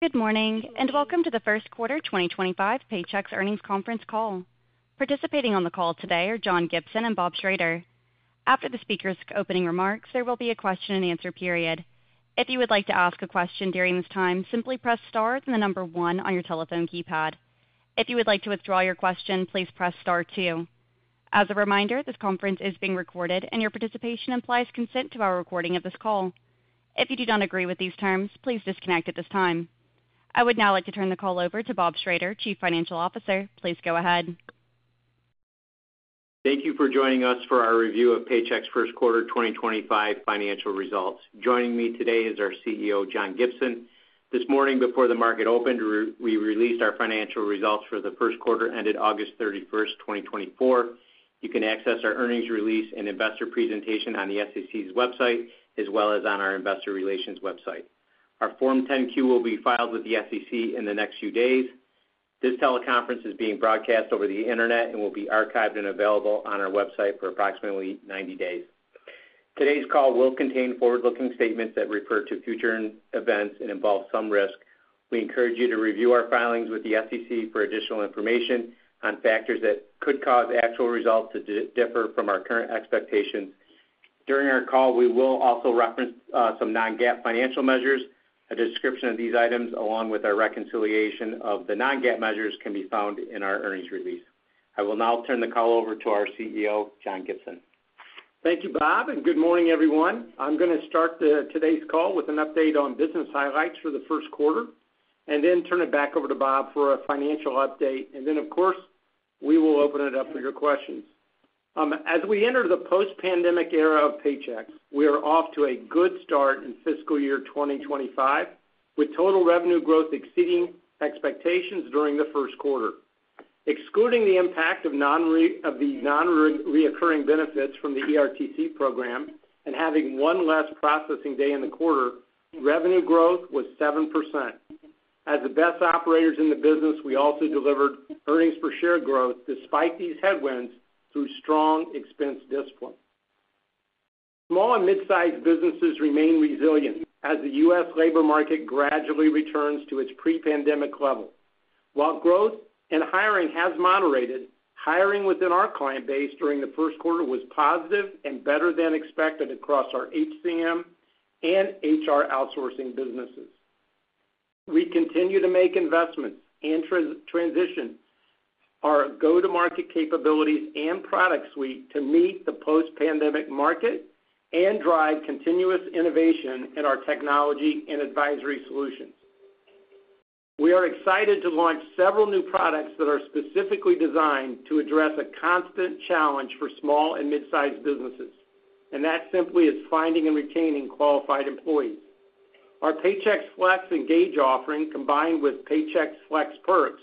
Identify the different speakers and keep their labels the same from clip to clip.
Speaker 1: Good morning, and welcome to the First Quarter 2025 Paychex Earnings Conference Call. Participating on the call today are John Gibson and Bob Schrader. After the speakers' opening remarks, there will be a question-and-answer period. If you would like to ask a question during this time, simply press star, then the number one on your telephone keypad. If you would like to withdraw your question, please press star two. As a reminder, this conference is being recorded and your participation implies consent to our recording of this call. If you do not agree with these terms, please disconnect at this time. I would now like to turn the call over to Bob Schrader, Chief Financial Officer. Please go ahead.
Speaker 2: Thank you for joining us for our review of Paychex first quarter 2025 financial results. Joining me today is our CEO, John Gibson. This morning, before the market opened, we released our financial results for the first quarter, ended August 31st, 2024. You can access our earnings release and investor presentation on the SEC's website, as well as on our investor relations website. Our Form 10-Q will be filed with the SEC in the next few days. This teleconference is being broadcast over the internet and will be archived and available on our website for approximately ninety days. Today's call will contain forward-looking statements that refer to future events and involve some risk. We encourage you to review our filings with the SEC for additional information on factors that could cause actual results to differ from our current expectations. During our call, we will also reference some non-GAAP financial measures. A description of these items, along with our reconciliation of the non-GAAP measures, can be found in our earnings release. I will now turn the call over to our CEO, John Gibson.
Speaker 3: Thank you, Bob, and good morning, everyone. I'm going to start today's call with an update on business highlights for the first quarter, and then turn it back over to Bob for a financial update. And then, of course, we will open it up for your questions. As we enter the post-pandemic era of Paychex, we are off to a good start in fiscal year 2025, with total revenue growth exceeding expectations during the first quarter. Excluding the impact of the nonrecurring benefits from the ERTC program and having one less processing day in the quarter, revenue growth was 7%. As the best operators in the business, we also delivered earnings per share growth despite these headwinds through strong expense discipline. Small and mid-sized businesses remain resilient as the U.S. labor market gradually returns to its pre-pandemic level. While growth and hiring has moderated, hiring within our client base during the first quarter was positive and better than expected across our HCM and HR outsourcing businesses. We continue to make investments and transition our go-to-market capabilities and product suite to meet the post-pandemic market and drive continuous innovation in our technology and advisory solutions. We are excited to launch several new products that are specifically designed to address a constant challenge for small and mid-sized businesses, and that simply is finding and retaining qualified employees. Our Paychex Flex Engage offering, combined with Paychex Flex Perks,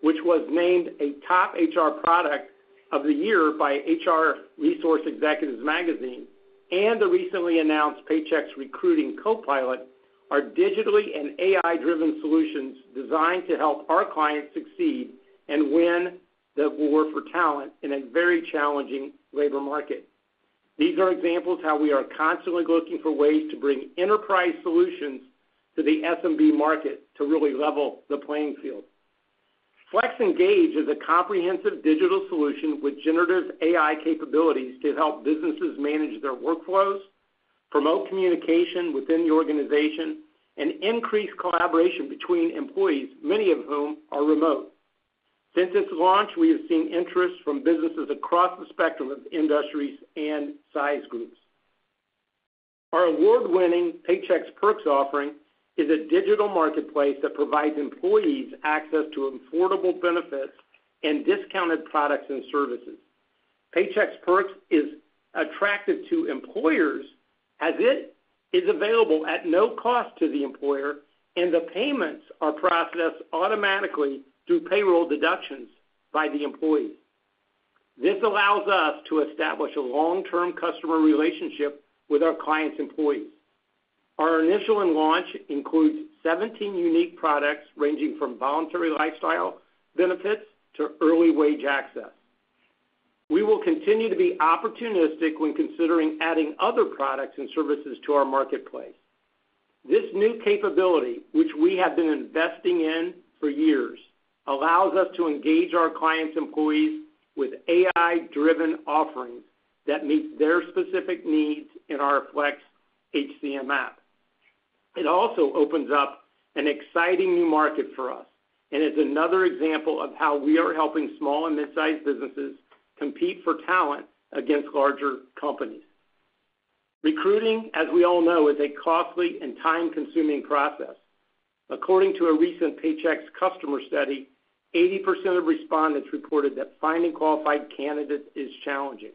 Speaker 3: which was named a Top HR Product of the Year by HR Resource Executive magazine, and the recently announced Paychex Recruiting Copilot, are digitally and AI-driven solutions designed to help our clients succeed and win the war for talent in a very challenging labor market. These are examples how we are constantly looking for ways to bring enterprise solutions to the SMB market to really level the playing field. Flex Engage is a comprehensive digital solution with generative AI capabilities to help businesses manage their workflows, promote communication within the organization, and increase collaboration between employees, many of whom are remote. Since its launch, we have seen interest from businesses across the spectrum of industries and size groups. Our award-winning Paychex Perks offering is a digital marketplace that provides employees access to affordable benefits and discounted products and services. Paychex Perks is attractive to employers, as it is available at no cost to the employer, and the payments are processed automatically through payroll deductions by the employee. This allows us to establish a long-term customer relationship with our clients' employees. Our initial and launch includes 17 unique products, ranging from voluntary lifestyle benefits to early wage access. We will continue to be opportunistic when considering adding other products and services to our marketplace. This new capability, which we have been investing in for years, allows us to engage our clients' employees with AI-driven offerings that meet their specific needs in our Flex HCM app. It also opens up an exciting new market for us and is another example of how we are helping small and mid-sized businesses compete for talent against larger companies. Recruiting, as we all know, is a costly and time-consuming process. According to a recent Paychex customer study, 80% of respondents reported that finding qualified candidates is challenging.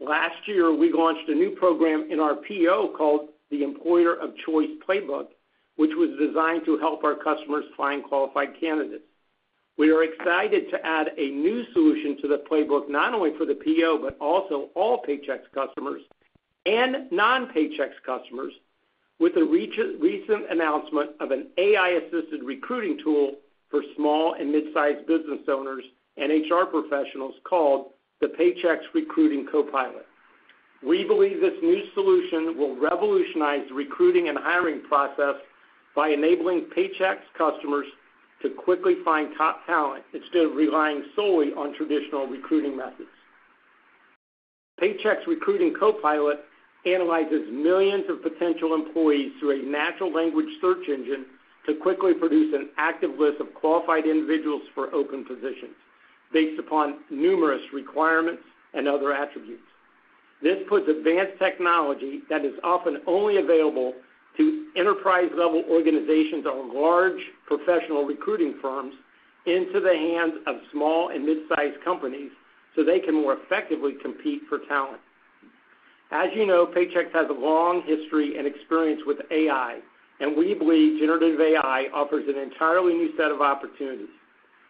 Speaker 3: Last year, we launched a new program in our PEO called the Employer of Choice Playbook, which was designed to help our customers find qualified candidates. We are excited to add a new solution to the playbook, not only for the PEO, but also all Paychex customers and non-Paychex customers, with the recent announcement of an AI-assisted recruiting tool for small and mid-sized business owners and HR professionals called the Paychex Recruiting Copilot. We believe this new solution will revolutionize the recruiting and hiring process by enabling Paychex customers to quickly find top talent instead of relying solely on traditional recruiting methods. Paychex Recruiting Copilot analyzes millions of potential employees through a natural language search engine to quickly produce an active list of qualified individuals for open positions, based upon numerous requirements and other attributes. This puts advanced technology that is often only available to enterprise-level organizations or large professional recruiting firms into the hands of small and mid-sized companies, so they can more effectively compete for talent. As you know, Paychex has a long history and experience with AI, and we believe generative AI offers an entirely new set of opportunities.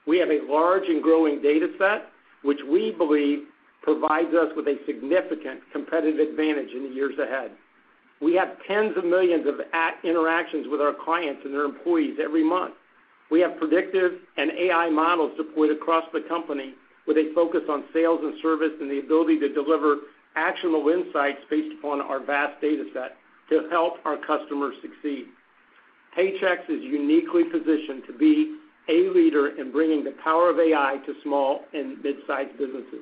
Speaker 3: We have a large and growing data set, which we believe provides us with a significant competitive advantage in the years ahead. We have tens of millions of interactions with our clients and their employees every month. We have predictive and AI models deployed across the company, with a focus on sales and service, and the ability to deliver actionable insights based upon our vast data set to help our customers succeed. Paychex is uniquely positioned to be a leader in bringing the power of AI to small and mid-sized businesses.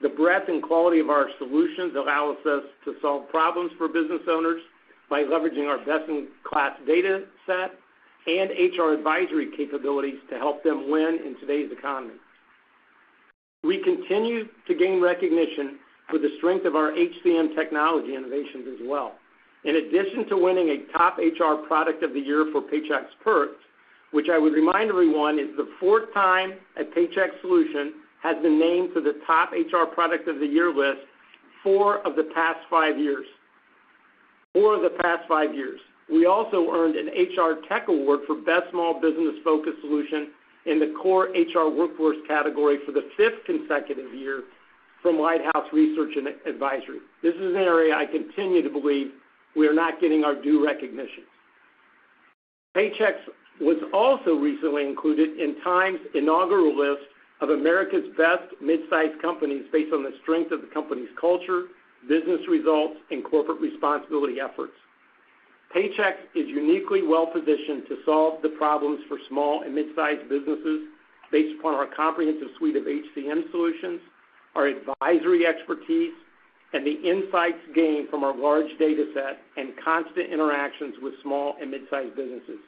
Speaker 3: The breadth and quality of our solutions allows us to solve problems for business owners by leveraging our best-in-class data set and HR advisory capabilities to help them win in today's economy. We continue to gain recognition for the strength of our HCM technology innovations as well. In addition to winning a Top HR Product of the Year for Paychex Perks, which I would remind everyone, is the fourth time a Paychex solution has been named to the Top HR Product of the Year list four of the past five years - four of the past five years. We also earned an HR Tech Award for Best Small Business-Focused Solution in the Core HR Workforce category for the fifth consecutive year from Lighthouse Research and Advisory. This is an area I continue to believe we are not getting our due recognition. Paychex was also recently included in Time's inaugural list of America's Best Midsize Companies, based on the strength of the company's culture, business results, and corporate responsibility efforts. Paychex is uniquely well-positioned to solve the problems for small and mid-sized businesses based upon our comprehensive suite of HCM solutions, our advisory expertise, and the insights gained from our large data set and constant interactions with small and mid-sized businesses.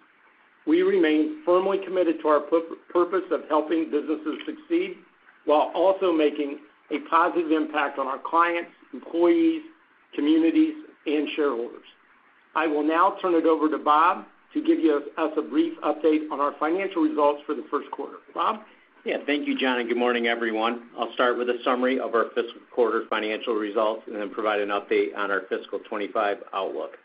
Speaker 3: We remain firmly committed to our purpose of helping businesses succeed, while also making a positive impact on our clients, employees, communities, and shareholders. I will now turn it over to Bob to give us a brief update on our financial results for the first quarter. Bob?
Speaker 2: Yeah, thank you, John, and good morning, everyone. I'll start with a summary of our fiscal quarter financial results, and then provide an update on our fiscal 2025 outlook.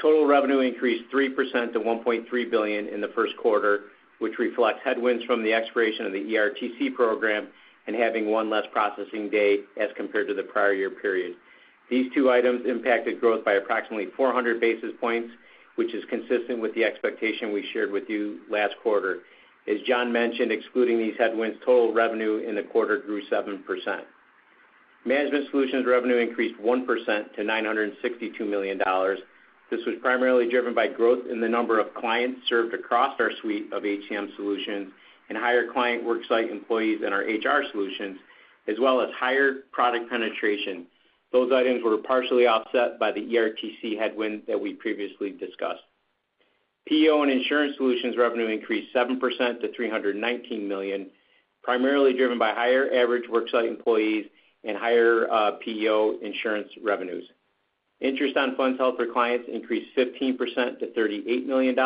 Speaker 2: Total revenue increased 3% to $1.3 billion in the first quarter, which reflects headwinds from the expiration of the ERTC program and having one less processing day as compared to the prior year period. These two items impacted growth by approximately 400 basis points, which is consistent with the expectation we shared with you last quarter. As John mentioned, excluding these headwinds, total revenue in the quarter grew 7%. Management Solutions revenue increased 1% to $962 million. This was primarily driven by growth in the number of clients served across our suite of HCM solutions and higher client worksite employees in our HR solutions, as well as higher product penetration. Those items were partially offset by the ERTC headwind that we previously discussed. PEO and Insurance Solutions revenue increased 7% to $319 million, primarily driven by higher average worksite employees and higher PEO insurance revenues. Interest on funds held for clients increased 15% to $38 million.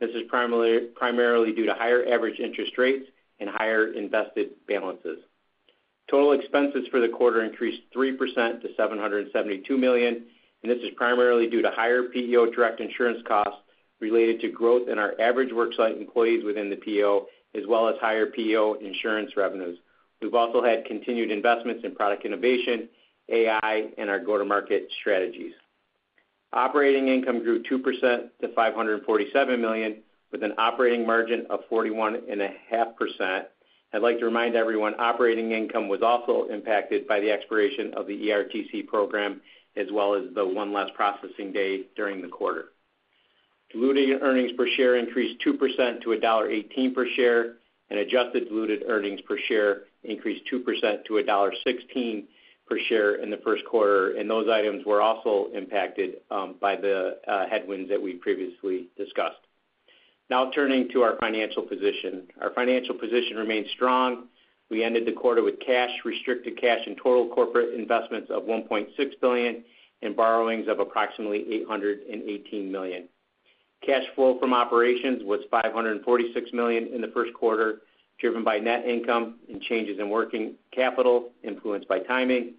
Speaker 2: This is primarily due to higher average interest rates and higher invested balances. Total expenses for the quarter increased 3% to $772 million, and this is primarily due to higher PEO direct insurance costs related to growth in our average worksite employees within the PEO, as well as higher PEO insurance revenues. We've also had continued investments in product innovation, AI, and our go-to-market strategies. Operating income grew 2% to $547 million, with an operating margin of 41.5%. I'd like to remind everyone, operating income was also impacted by the expiration of the ERTC program, as well as the one less processing day during the quarter. Diluted earnings per share increased 2% to $1.18 per share, and adjusted diluted earnings per share increased 2% to $1.16 per share in the first quarter, and those items were also impacted by the headwinds that we previously discussed. Now, turning to our financial position. Our financial position remains strong. We ended the quarter with cash, restricted cash, and total corporate investments of $1.6 billion, and borrowings of approximately $818 million. Cash flow from operations was $546 million in the first quarter, driven by net income and changes in working capital, influenced by timing.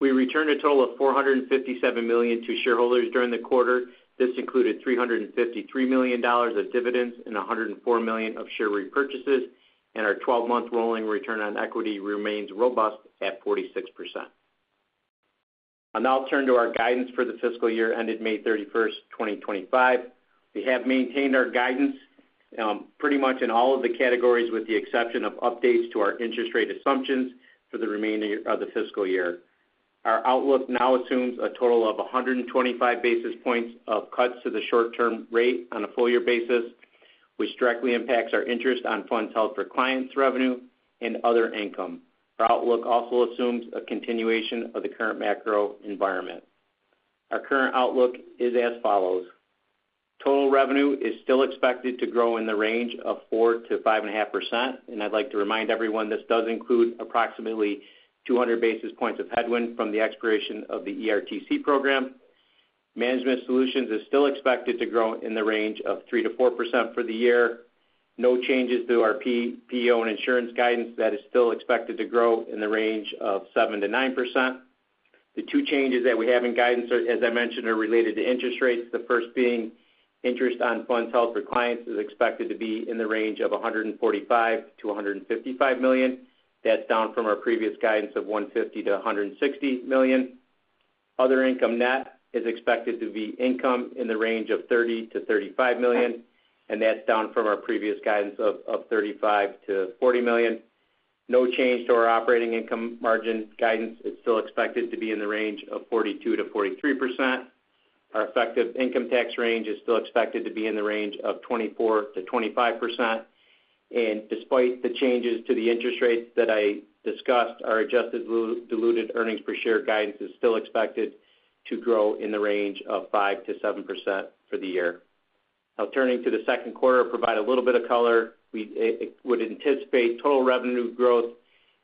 Speaker 2: We returned a total of $457 million to shareholders during the quarter. This included $353 million of dividends and $104 million of share repurchases, and our 12-month rolling return on equity remains robust at 46%. I'll now turn to our guidance for the fiscal year ended May 31st, 2025. We have maintained our guidance. Pretty much in all of the categories, with the exception of updates to our interest rate assumptions for the remaining of the fiscal year. Our outlook now assumes a total of 125 basis points of cuts to the short-term rate on a full year basis, which directly impacts our interest on funds held for clients' revenue and other income. Our outlook also assumes a continuation of the current macro environment. Our current outlook is as follows: Total revenue is still expected to grow in the range of 4%-5.5%, and I'd like to remind everyone, this does include approximately 200 basis points of headwind from the expiration of the ERTC program. Management Solutions is still expected to grow in the range of 3%-4% for the year. No changes to our PEO and insurance guidance. That is still expected to grow in the range of 7%-9%. The two changes that we have in guidance are, as I mentioned, are related to interest rates. The first being interest on funds held for clients, is expected to be in the range of $145 million-$155 million. That's down from our previous guidance of $150 million-$160 million. Other income net is expected to be income in the range of $30 million-$35 million, and that's down from our previous guidance of $35 million-$40 million. No change to our operating income margin guidance. It's still expected to be in the range of 42%-43%. Our effective income tax range is still expected to be in the range of 24%-25%. And despite the changes to the interest rates that I discussed, our adjusted diluted earnings per share guidance is still expected to grow in the range of 5%-7% for the year. Now, turning to the second quarter, provide a little bit of color. We would anticipate total revenue growth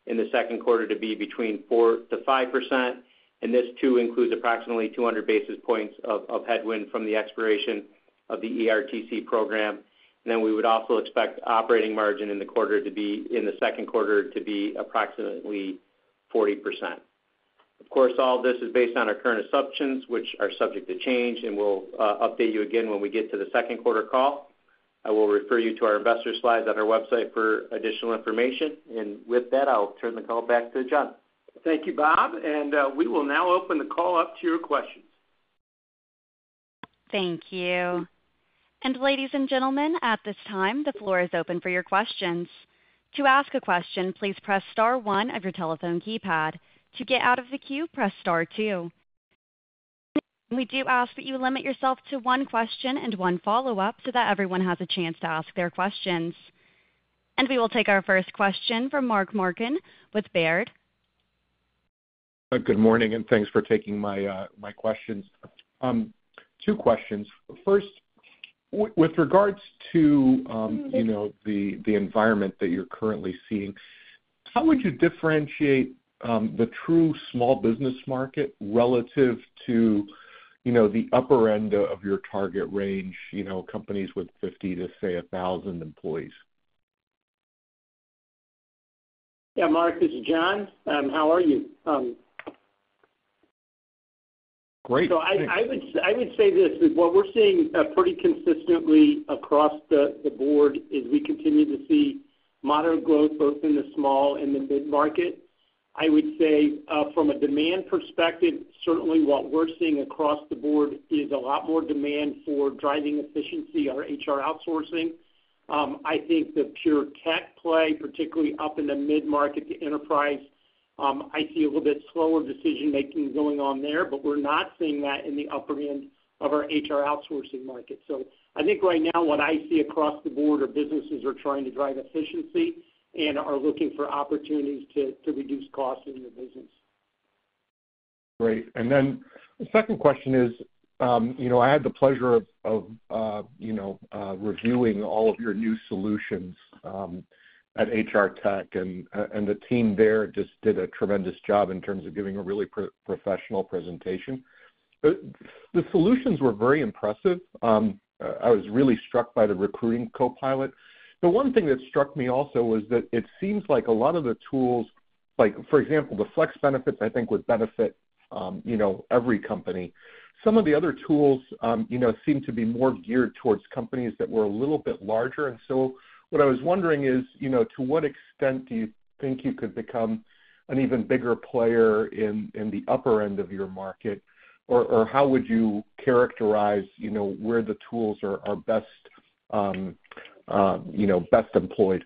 Speaker 2: in the second quarter to be between 4%-5%, and this too includes approximately 200 basis points of headwind from the expiration of the ERTC program. Then we would also expect operating margin in the quarter to be, in the second quarter, to be approximately 40%. Of course, all this is based on our current assumptions, which are subject to change, and we'll update you again when we get to the second quarter call. I will refer you to our investor slides on our website for additional information. With that, I'll turn the call back to John.
Speaker 3: Thank you, Bob, and we will now open the call up to your questions.
Speaker 1: Thank you, and ladies and gentlemen, at this time, the floor is open for your questions. To ask a question, please press star one of your telephone keypad. To get out of the queue, press star two. We do ask that you limit yourself to one question and one follow-up so that everyone has a chance to ask their questions, and we will take our first question from Mark Marcon with Baird.
Speaker 4: Good morning, and thanks for taking my questions. Two questions. First, with regards to, you know, the environment that you're currently seeing, how would you differentiate, the true small business market relative to, you know, the upper end of your target range, you know, companies with 50 to, say, 1,000 employees?
Speaker 3: Yeah, Mark, this is John. How are you?
Speaker 4: Great.
Speaker 3: I would say this is what we're seeing pretty consistently across the board. We continue to see moderate growth, both in the small and the mid-market. I would say from a demand perspective, certainly what we're seeing across the board is a lot more demand for driving efficiency, our HR outsourcing. I think the pure tech play, particularly up in the mid-market to enterprise, I see a little bit slower decision-making going on there, but we're not seeing that in the upper end of our HR outsourcing market. I think right now, what I see across the board, are businesses are trying to drive efficiency and are looking for opportunities to reduce costs in their business.
Speaker 4: Great. And then the second question is, you know, I had the pleasure of you know reviewing all of your new solutions at HR Tech, and, and the team there just did a tremendous job in terms of giving a really professional presentation. But the solutions were very impressive. I was really struck by the Recruiting Copilot. The one thing that struck me also was that it seems like a lot of the tools, like, for example, the Flex benefits, I think, would benefit, you know, every company. Some of the other tools, you know, seem to be more geared towards companies that were a little bit larger. And so what I was wondering is, you know, to what extent do you think you could become an even bigger player in the upper end of your market? Or, how would you characterize, you know, where the tools are best, you know, best employed?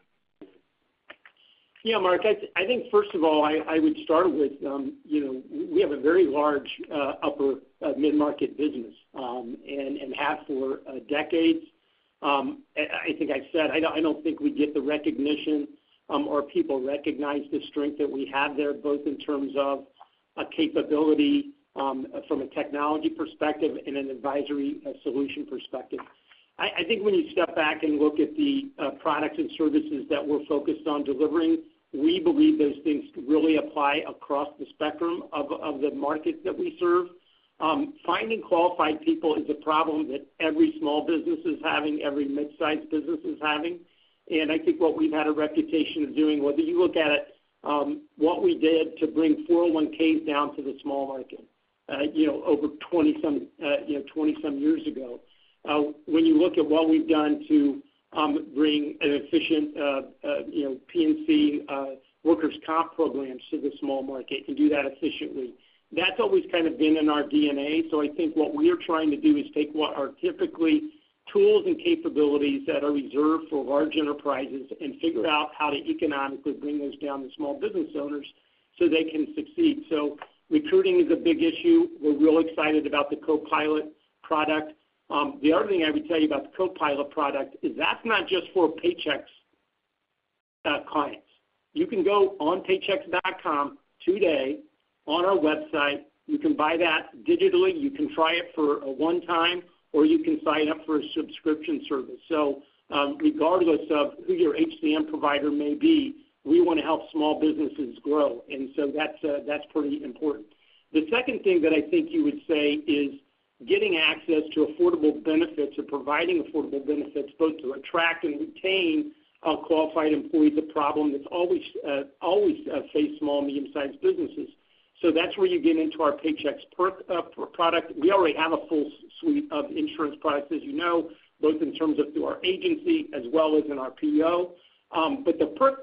Speaker 3: Yeah, Mark, I think first of all, I would start with, you know, we have a very large upper mid-market business, and have for decades. I think I said, I don't think we get the recognition, or people recognize the strength that we have there, both in terms of a capability, from a technology perspective and an advisory solution perspective. I think when you step back and look at the products and services that we're focused on delivering, we believe those things really apply across the spectrum of the market that we serve. Finding qualified people is a problem that every small business is having, every mid-sized business is having. And I think what we've had a reputation of doing, whether you look at it, what we did to bring 401(k)s down to the small market, you know, over 20 some years ago. When you look at what we've done to bring an efficient PEO workers' comp programs to the small market and do that efficiently, that's always kind of been in our DNA. So I think what we're trying to do is take what are typically tools and capabilities that are reserved for large enterprises and figure out how to economically bring those down to small business owners so they can succeed. So recruiting is a big issue. We're real excited about the Copilot product. The other thing I would tell you about the Copilot product is that's not just for Paychex clients. You can go on Paychex.com today on our website. You can buy that digitally. You can try it for a one time, or you can sign up for a subscription service. So, regardless of who your HCM provider may be, we want to help small businesses grow, and so that's pretty important. The second thing that I think you would say is getting access to affordable benefits or providing affordable benefits, both to attract and retain qualified employees, a problem that's always faced small and medium-sized businesses. So that's where you get into our Paychex Perks product. We already have a full suite of insurance products, as you know, both in terms of through our agency as well as in our PEO. But the Perks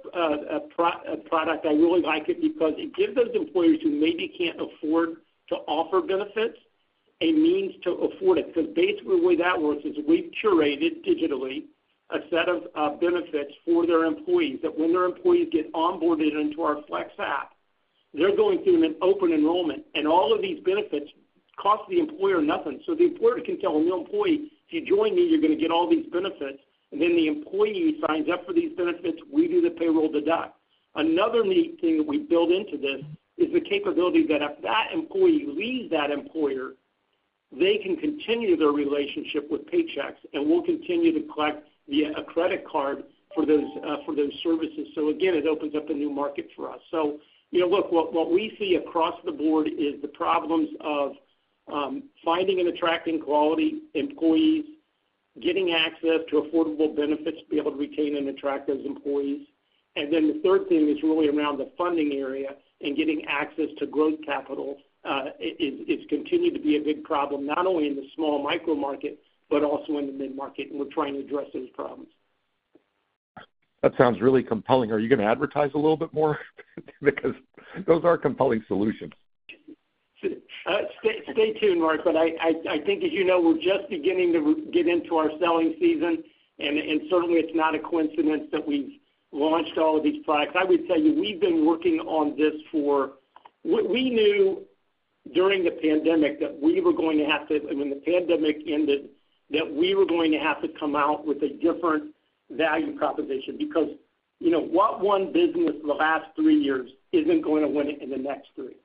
Speaker 3: product, I really like it because it gives those employers who maybe can't afford to offer benefits, a means to afford it. Because basically, the way that works is we've curated digitally a set of benefits for their employees, that when their employees get onboarded into our Flex app, they're going through an open enrollment, and all of these benefits cost the employer nothing. So the employer can tell a new employee, "If you join me, you're going to get all these benefits." And then the employee signs up for these benefits, we do the payroll deduct. Another neat thing that we built into this is the capability that if that employee leaves that employer, they can continue their relationship with Paychex, and we'll continue to collect via a credit card for those services. So again, it opens up a new market for us. So you know, look, what we see across the board is the problems of finding and attracting quality employees, getting access to affordable benefits to be able to retain and attract those employees. And then the third thing is really around the funding area and getting access to growth capital, it's continued to be a big problem, not only in the small micro market, but also in the mid-market, and we're trying to address those problems.
Speaker 4: That sounds really compelling. Are you going to advertise a little bit more? Because those are compelling solutions.
Speaker 3: Stay tuned, Mark. But I think, as you know, we're just beginning to get into our selling season, and certainly, it's not a coincidence that we've launched all of these products. I would tell you, we've been working on this for some time. We knew during the pandemic that we were going to have to, when the pandemic ended, that we were going to have to come out with a different value proposition. Because, you know, what won business in the last three years isn't going to win it in the next three.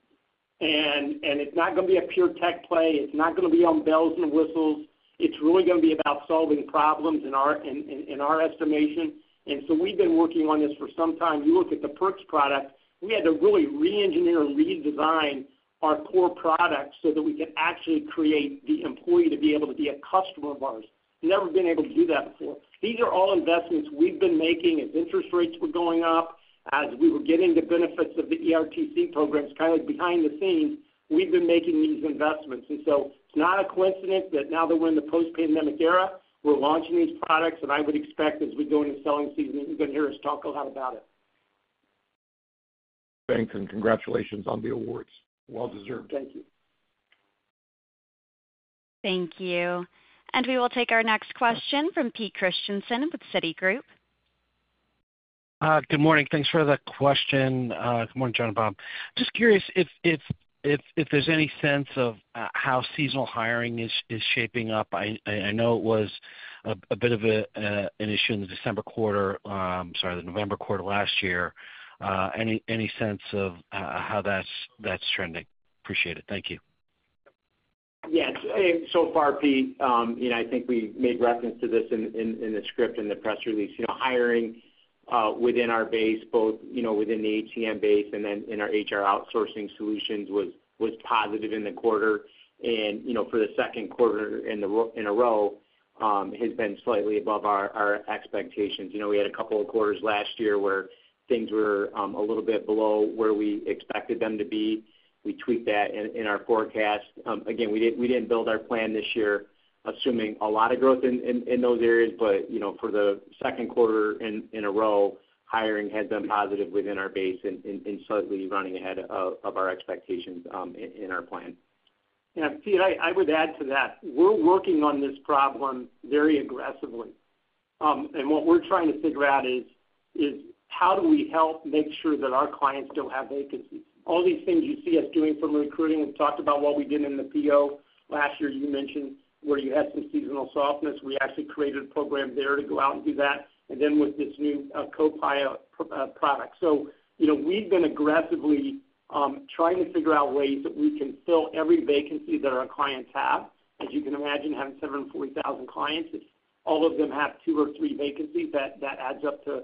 Speaker 3: And it's not going to be a pure tech play. It's not going to be on bells and whistles. It's really going to be about solving problems in our estimation. And so we've been working on this for some time. You look at the Perks product. We had to really reengineer and redesign our core product so that we could actually create the employee to be able to be a customer of ours. Never been able to do that before. These are all investments we've been making as interest rates were going up, as we were getting the benefits of the ERTC programs. Kind of behind the scenes, we've been making these investments, and so it's not a coincidence that now that we're in the post-pandemic era, we're launching these products, and I would expect as we go into selling season, you're going to hear us talk a lot about it.
Speaker 4: Thanks, and congratulations on the awards. Well deserved.
Speaker 3: Thank you.
Speaker 1: Thank you, and we will take our next question from Pete Christiansen with Citigroup.
Speaker 5: Good morning. Thanks for the question. Good morning, John and Bob. Just curious if there's any sense of how seasonal hiring is shaping up. I know it was a bit of an issue in the December quarter, sorry, the November quarter last year. Any sense of how that's trending? Appreciate it. Thank you.
Speaker 2: Yes. So far, Pete, you know, I think we made reference to this in the script, in the press release. You know, hiring within our base, both, you know, within the HCM base and then in our HR outsourcing solutions, was positive in the quarter. And, you know, for the second quarter in a row has been slightly above our expectations. You know, we had a couple of quarters last year where things were a little bit below where we expected them to be. We tweaked that in our forecast. Again, we didn't build our plan this year assuming a lot of growth in those areas. But you know, for the second quarter in a row, hiring has been positive within our base and slightly running ahead of our expectations in our plan.
Speaker 3: Yeah, Pete, I would add to that. We're working on this problem very aggressively. And what we're trying to figure out is how do we help make sure that our clients don't have vacancies? All these things you see us doing from recruiting, we've talked about what we did in the PEO. Last year, you mentioned where you had some seasonal softness. We actually created a program there to go out and do that, and then with this new Copilot product. So you know, we've been aggressively trying to figure out ways that we can fill every vacancy that our clients have. As you can imagine, having 740,000 clients, if all of them have two or three vacancies, that adds up to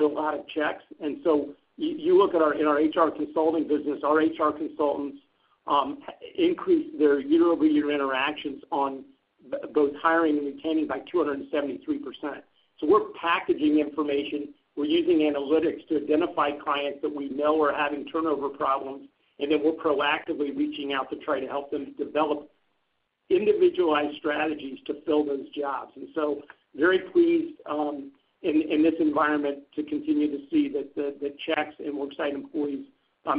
Speaker 3: a lot of checks. And so you look at our in our HR consulting business. Our HR consultants increased their year-over-year interactions on both hiring and retaining by 273%. So we're packaging information. We're using analytics to identify clients that we know are having turnover problems, and then we're proactively reaching out to try to help them develop individualized strategies to fill those jobs. And so very pleased in this environment to continue to see that the checks and worksite employees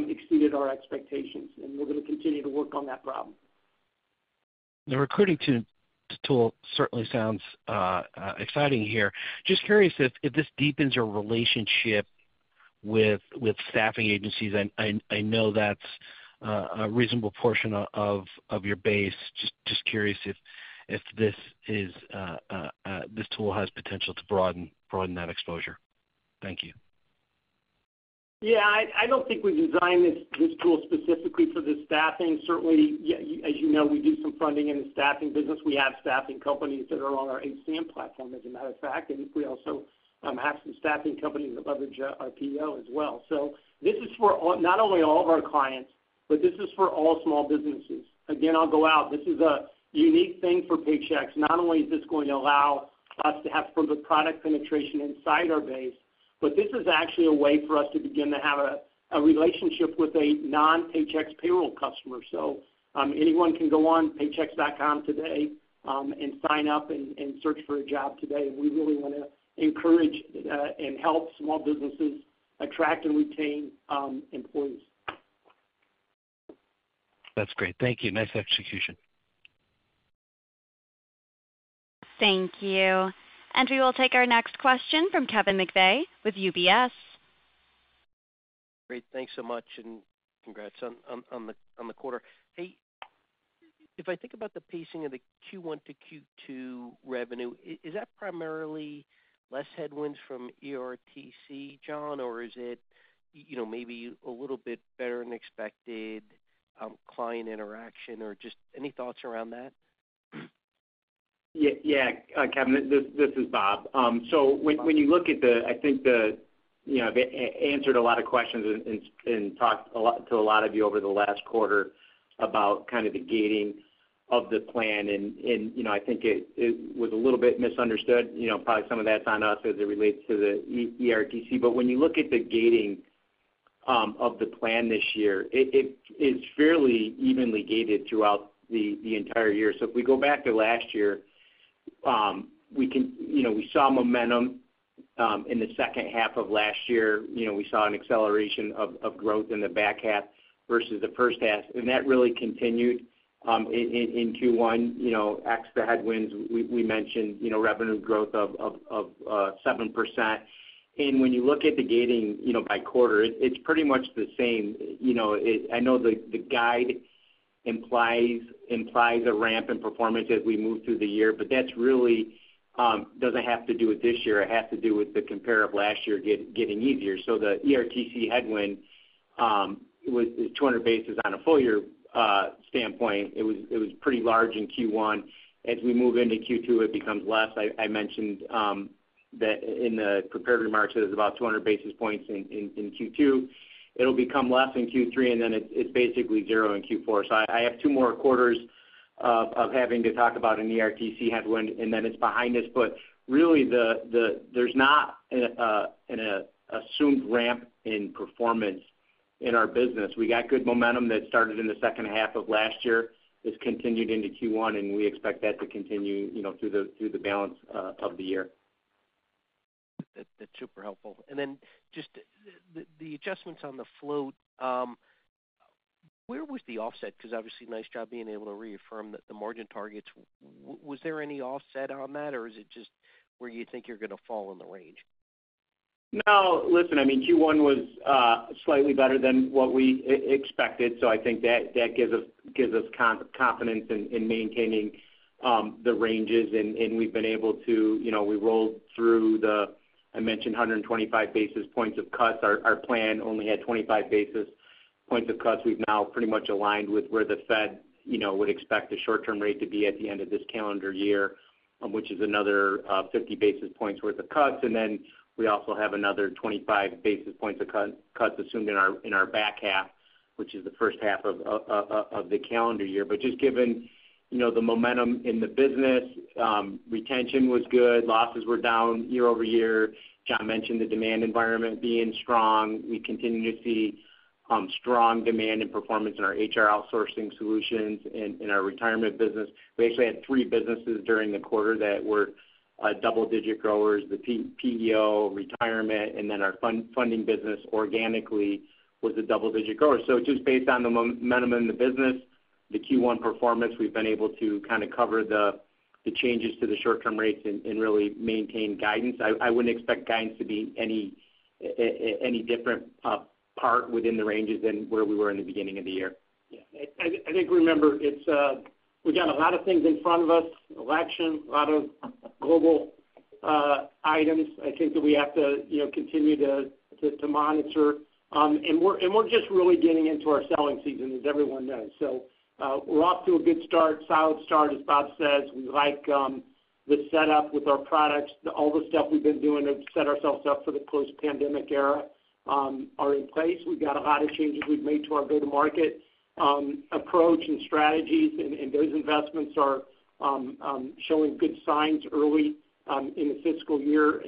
Speaker 3: exceeded our expectations, and we're going to continue to work on that problem.
Speaker 5: The recruiting tool certainly sounds exciting here. Just curious if this deepens your relationship with staffing agencies. I know that's a reasonable portion of your base. Just curious if this tool has potential to broaden that exposure. Thank you.
Speaker 3: Yeah, I don't think we designed this tool specifically for the staffing. Certainly, as you know, we do some funding in the staffing business. We have staffing companies that are on our HCM platform, as a matter of fact, and we also have some staffing companies that leverage our PEO as well. So this is for all not only all of our clients, but this is for all small businesses. Again, I'll go out, this is a unique thing for Paychex. Not only is this going to allow us to have further product penetration inside our base, but this is actually a way for us to begin to have a relationship with a non-Paychex payroll customer. So, anyone can go on Paychex.com today, and sign up and search for a job today. We really wanna encourage and help small businesses attract and retain employees.
Speaker 5: That's great. Thank you. Nice execution.
Speaker 1: Thank you. And we will take our next question from Kevin McVeigh with UBS.
Speaker 6: Great. Thanks so much, and congrats on the quarter. Hey, if I think about the pacing of the Q1 to Q2 revenue, is that primarily less headwinds from ERTC, John? Or is it, you know, maybe a little bit better than expected, client interaction, or just any thoughts around that?
Speaker 2: Yeah, yeah, Kevin, this is Bob. So when you look at the... I think, you know, answered a lot of questions and talked a lot to a lot of you over the last quarter about kind of the gating of the plan. And, you know, I think it was a little bit misunderstood. You know, probably some of that's on us as it relates to the ERTC. But when you look at the gating of the plan this year, it's fairly evenly gated throughout the entire year. So if we go back to last year, we can, you know, we saw momentum in the second half of last year. You know, we saw an acceleration of growth in the back half versus the first half, and that really continued in Q1. You know, ex the headwinds we mentioned, you know, revenue growth of 7%. And when you look at the guidance, you know, by quarter, it's pretty much the same. You know, I know the guide implies a ramp in performance as we move through the year, but that's really doesn't have to do with this year. It has to do with the compare of last year getting easier. So the ERTC headwind was 200 basis points on a full year standpoint. It was pretty large in Q1. As we move into Q2, it becomes less. I mentioned that in the prepared remarks, that it was about 200 basis points in Q2. It'll become less in Q3, and then it's basically zero in Q4. So I have two more quarters of having to talk about an ERTC headwind, and then it's behind us. But really, there's not an assumed ramp in performance in our business. We got good momentum that started in the second half of last year. It's continued into Q1, and we expect that to continue, you know, through the balance of the year.
Speaker 6: That's super helpful. And then just the, the adjustments on the float, where was the offset? Because obviously, nice job being able to reaffirm that the margin targets. Was there any offset on that, or is it just where you think you're gonna fall in the range?
Speaker 2: No. Listen, I mean, Q1 was slightly better than what we expected, so I think that, that gives us, gives us confidence in maintaining the ranges. And we've been able to. You know, we rolled through the I mentioned 125 basis points of cuts. Our plan only had 25 basis points of cuts. We've now pretty much aligned with where the Fed, you know, would expect the short-term rate to be at the end of this calendar year, which is another 50 basis points worth of cuts. And then we also have another 25 basis points of cuts assumed in our back half, which is the first half of the calendar year. But just given, you know, the momentum in the business, retention was good. Losses were down year over year. John mentioned the demand environment being strong. We continue to see strong demand and performance in our HR outsourcing solutions and in our retirement business. We actually had three businesses during the quarter that were double-digit growers, the PEO, retirement, and then our funding business organically was a double-digit grower. So just based on the momentum in the business, the Q1 performance, we've been able to kind of cover the changes to the short-term rates and really maintain guidance. I wouldn't expect guidance to be any different apart within the ranges than where we were in the beginning of the year.
Speaker 3: Yeah. We've got a lot of things in front of us, election, a lot of global items I think that we have to, you know, continue to monitor, and we're just really getting into our selling season, as everyone knows, so we're off to a good start, solid start, as Bob says. We like the setup with our products. All the stuff we've been doing to set ourselves up for the post-pandemic era are in place. We've got a lot of changes we've made to our go-to-market approach and strategies, and those investments are showing good signs early in the fiscal year.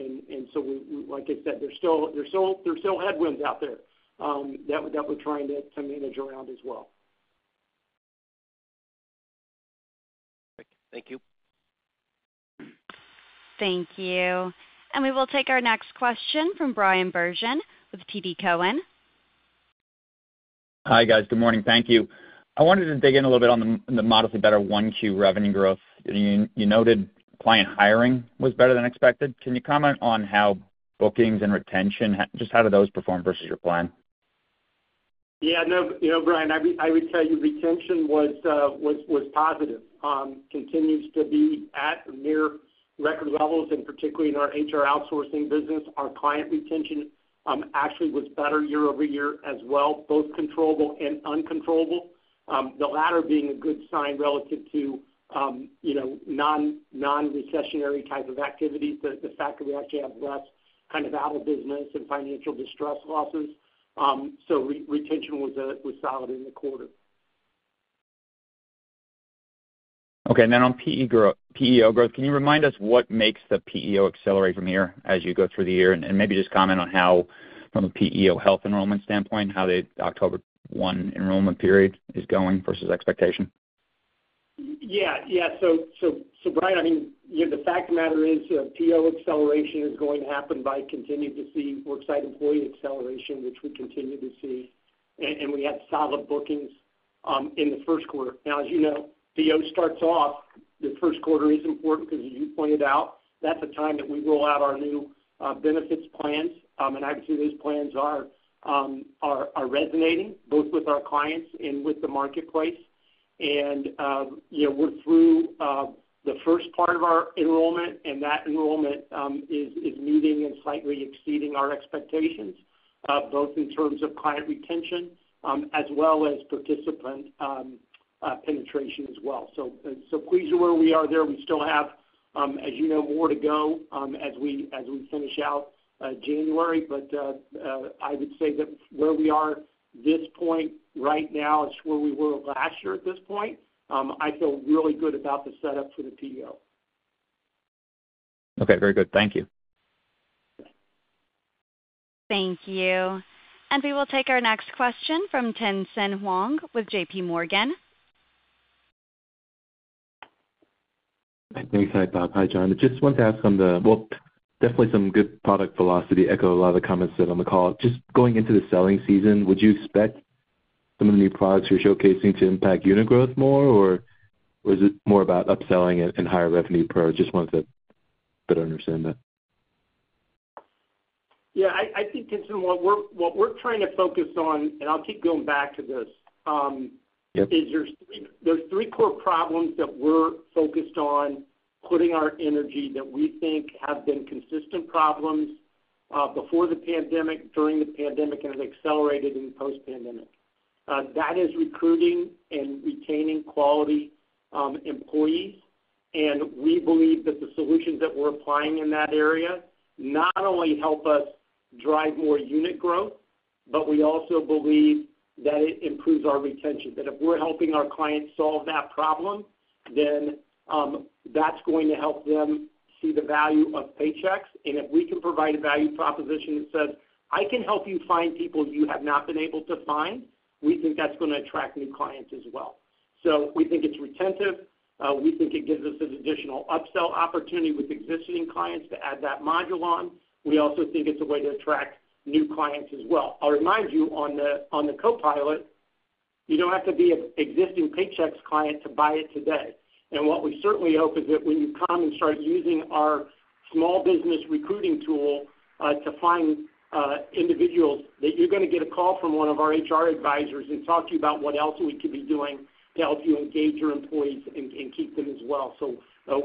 Speaker 3: So we, like I said, there's still headwinds out there that we're trying to manage around as well.
Speaker 6: Thank you.
Speaker 1: Thank you. And we will take our next question from Bryan Bergin with TD Cowen.
Speaker 7: Hi, guys. Good morning. Thank you. I wanted to dig in a little bit on the modestly better 1Q revenue growth. You noted client hiring was better than expected. Can you comment on how bookings and retention, just how do those perform versus your plan?
Speaker 3: Yeah, no, you know, Bryan, I would tell you retention was positive, continues to be at near record levels, and particularly in our HR outsourcing business. Our client retention, actually was better year over year as well, both controllable and uncontrollable. The latter being a good sign relative to, you know, non-recessionary type of activities, the fact that we actually have less kind of out of business and financial distress losses, so retention was solid in the quarter.
Speaker 7: Okay. And then on PEO growth, can you remind us what makes the PEO accelerate from here as you go through the year? And maybe just comment on how, from a PEO health enrollment standpoint, how the October one enrollment period is going versus expectation.
Speaker 3: Yeah, yeah. So, Bryan, I mean, you know, the fact of the matter is, PEO acceleration is going to happen by continuing to see worksite employee acceleration, which we continue to see, and we had solid bookings in the first quarter. Now, as you know, PEO starts off. The first quarter is important because as you pointed out, that's a time that we roll out our new benefits plans. And obviously, those plans are resonating both with our clients and with the marketplace. And you know, we're through the first part of our enrollment, and that enrollment is meeting and slightly exceeding our expectations, both in terms of client retention as well as participant penetration as well. So pleased with where we are there. We still have, as you know, more to go, as we finish out January. But I would say that where we are at this point right now is where we were last year at this point. I feel really good about the setup for the PEO.
Speaker 7: Okay, very good. Thank you.
Speaker 1: Thank you. And we will take our next question from Tien-Tsin Huang with JPMorgan.
Speaker 8: Thanks. Hi, Bob. Hi, John. I just wanted to ask on the well. Definitely some good product velocity, echoing a lot of the comments said on the call. Just going into the selling season, would you expect some of the new products you're showcasing to impact unit growth more, or was it more about upselling and higher revenue per? Just wanted to better understand that.
Speaker 3: Yeah, I think, Tien-Tsin, what we're trying to focus on, and I'll keep going back to this.
Speaker 8: Yep.
Speaker 3: There's three core problems that we're focused on putting our energy that we think have been consistent problems before the pandemic, during the pandemic, and have accelerated in post-pandemic. That is recruiting and retaining quality employees. And we believe that the solutions that we're applying in that area not only help us drive more unit growth, but we also believe that it improves our retention. That if we're helping our clients solve that problem, then that's going to help them see the value of Paychex. And if we can provide a value proposition that says, "I can help you find people you have not been able to find," we think that's gonna attract new clients as well. So we think it's retentive. We think it gives us an additional upsell opportunity with existing clients to add that module on. We also think it's a way to attract new clients as well. I'll remind you on the copilot. You don't have to be an existing Paychex client to buy it today. What we certainly hope is that when you come and start using our small business recruiting tool to find individuals, that you're gonna get a call from one of our HR advisors and talk to you about what else we could be doing to help you engage your employees and keep them as well. So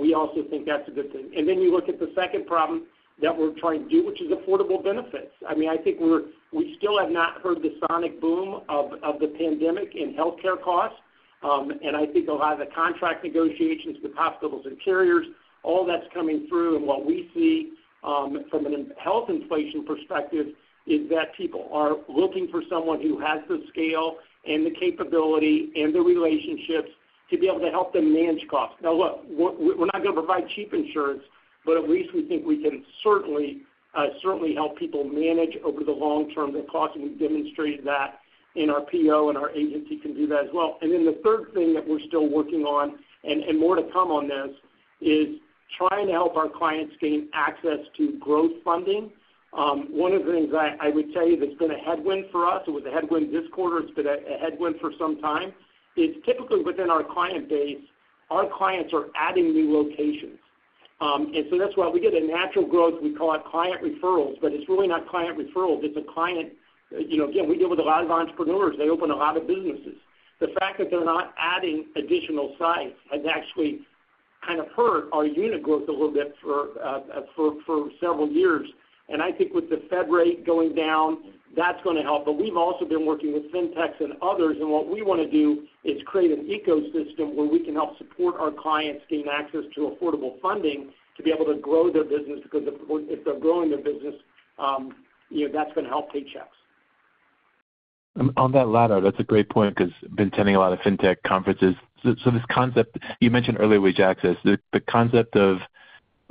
Speaker 3: we also think that's a good thing. Then you look at the second problem that we're trying to do, which is affordable benefits. I mean, I think we still have not heard the sonic boom of the pandemic in healthcare costs. And I think a lot of the contract negotiations with hospitals and carriers, all that's coming through, and what we see from a health inflation perspective, is that people are looking for someone who has the scale and the capability and the relationships to be able to help them manage costs. Now, look, we're not gonna provide cheap insurance, but at least we think we can certainly help people manage over the long term their costs, and we've demonstrated that in our PEO, and our agency can do that as well. And then the third thing that we're still working on, and more to come on this, is trying to help our clients gain access to growth funding. One of the things I would tell you that's been a headwind for us, it was a headwind this quarter, it's been a headwind for some time, is typically within our client base, our clients are adding new locations, and so that's why we get a natural growth, we call it client referrals, but it's really not client referrals, it's a client. You know, again, we deal with a lot of entrepreneurs, they open a lot of businesses. The fact that they're not adding additional sites has actually kind of hurt our unit growth a little bit for several years, and I think with the Fed rate going down, that's gonna help. But we've also been working with fintechs and others, and what we wanna do is create an ecosystem where we can help support our clients gain access to affordable funding to be able to grow their business, because if they're growing their business, you know, that's gonna help Paychex.
Speaker 8: On that latter, that's a great point, because I've been attending a lot of Fintech conferences. So this concept you mentioned, early wage access, the concept of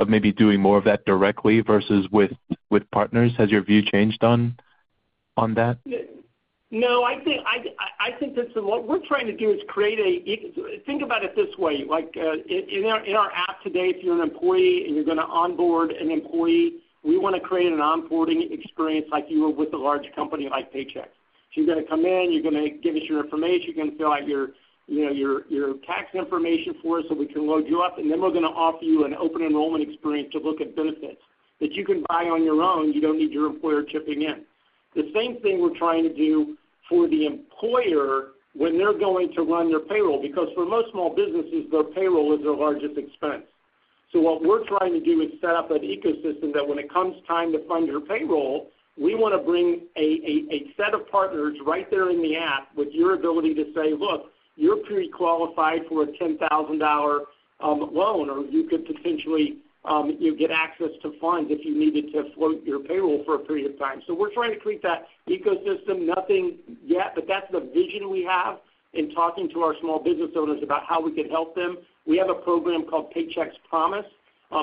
Speaker 8: maybe doing more of that directly versus with partners, has your view changed on, on that?
Speaker 3: No, I think that's what we're trying to do is create – think about it this way, like, in our app today, if you're an employee and you're gonna onboard an employee, we want to create an onboarding experience like you would with a large company like Paychex, so you're gonna come in, you're gonna give us your information, you're gonna fill out your, you know, your tax information for us so we can load you up, and then we're gonna offer you an open enrollment experience to look at benefits that you can buy on your own, you don't need your employer chipping in. The same thing we're trying to do for the employer when they're going to run their payroll, because for most small businesses, their payroll is their largest expense. So what we're trying to do is set up an ecosystem that when it comes time to fund your payroll, we want to bring a set of partners right there in the app with your ability to say: Look, you're pre-qualified for a $10,000 loan, or you could potentially get access to funds if you needed to float your payroll for a period of time. So we're trying to create that ecosystem. Nothing yet, but that's the vision we have in talking to our small business owners about how we can help them. We have a program called Paychex Promise,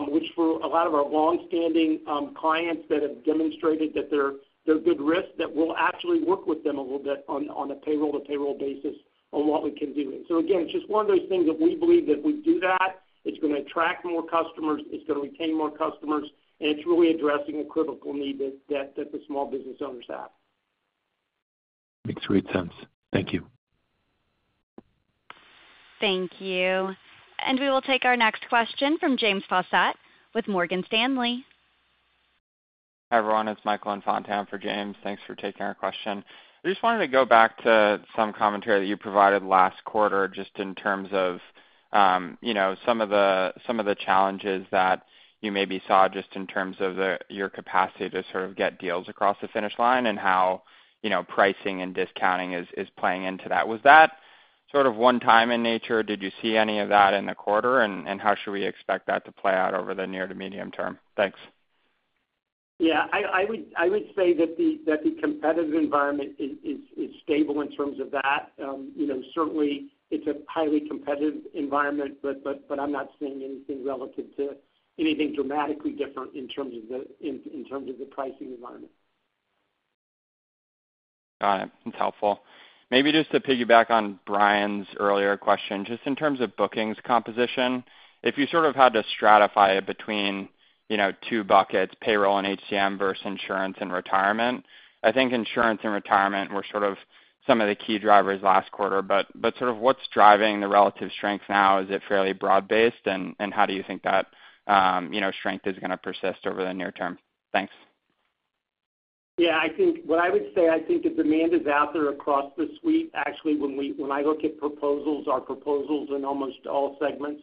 Speaker 3: which for a lot of our long-standing clients that have demonstrated that they're good risk, that we'll actually work with them a little bit on a payroll-to-payroll basis on what we can do. So again, just one of those things that we believe if we do that, it's gonna attract more customers, it's gonna retain more customers, and it's really addressing a critical need that the small business owners have.
Speaker 8: Makes great sense. Thank you.
Speaker 1: Thank you, and we will take our next question from James Faucette with Morgan Stanley.
Speaker 9: Hi, everyone, it's Michael Infante for James. Thanks for taking our question. I just wanted to go back to some commentary that you provided last quarter, just in terms of, you know, some of the challenges that you maybe saw just in terms of the, your capacity to sort of get deals across the finish line and how, you know, pricing and discounting is playing into that. Was that sort of one time in nature? Did you see any of that in the quarter? And how should we expect that to play out over the near to medium term? Thanks.
Speaker 3: Yeah, I would say that the competitive environment is stable in terms of that. You know, certainly it's a highly competitive environment, but I'm not seeing anything relative to anything dramatically different in terms of the pricing environment.
Speaker 9: Got it. That's helpful. Maybe just to piggyback on Bryan earlier question, just in terms of bookings composition, if you sort of had to stratify it between, you know, two buckets, payroll and HCM versus insurance and retirement, I think insurance and retirement were sort of some of the key drivers last quarter. But sort of what's driving the relative strength now? Is it fairly broad-based? And how do you think that, you know, strength is gonna persist over the near term? Thanks.
Speaker 3: Yeah, I think what I would say, I think the demand is out there across the suite. Actually, when I look at proposals, our proposals in almost all segments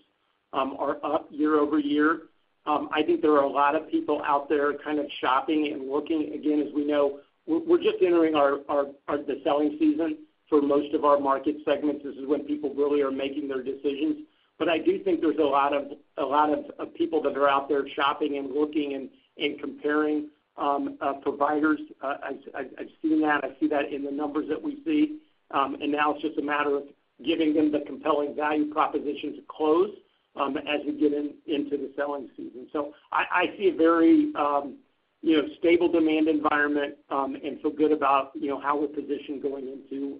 Speaker 3: are up year over year. I think there are a lot of people out there kind of shopping and looking. Again, as we know, we're just entering our the selling season for most of our market segments. This is when people really are making their decisions. But I do think there's a lot of people that are out there shopping and looking and comparing providers. I've seen that. I see that in the numbers that we see. And now it's just a matter of giving them the compelling value proposition to close as we get into the selling season. So I see a very, you know, stable demand environment, and feel good about, you know, how we're positioned going into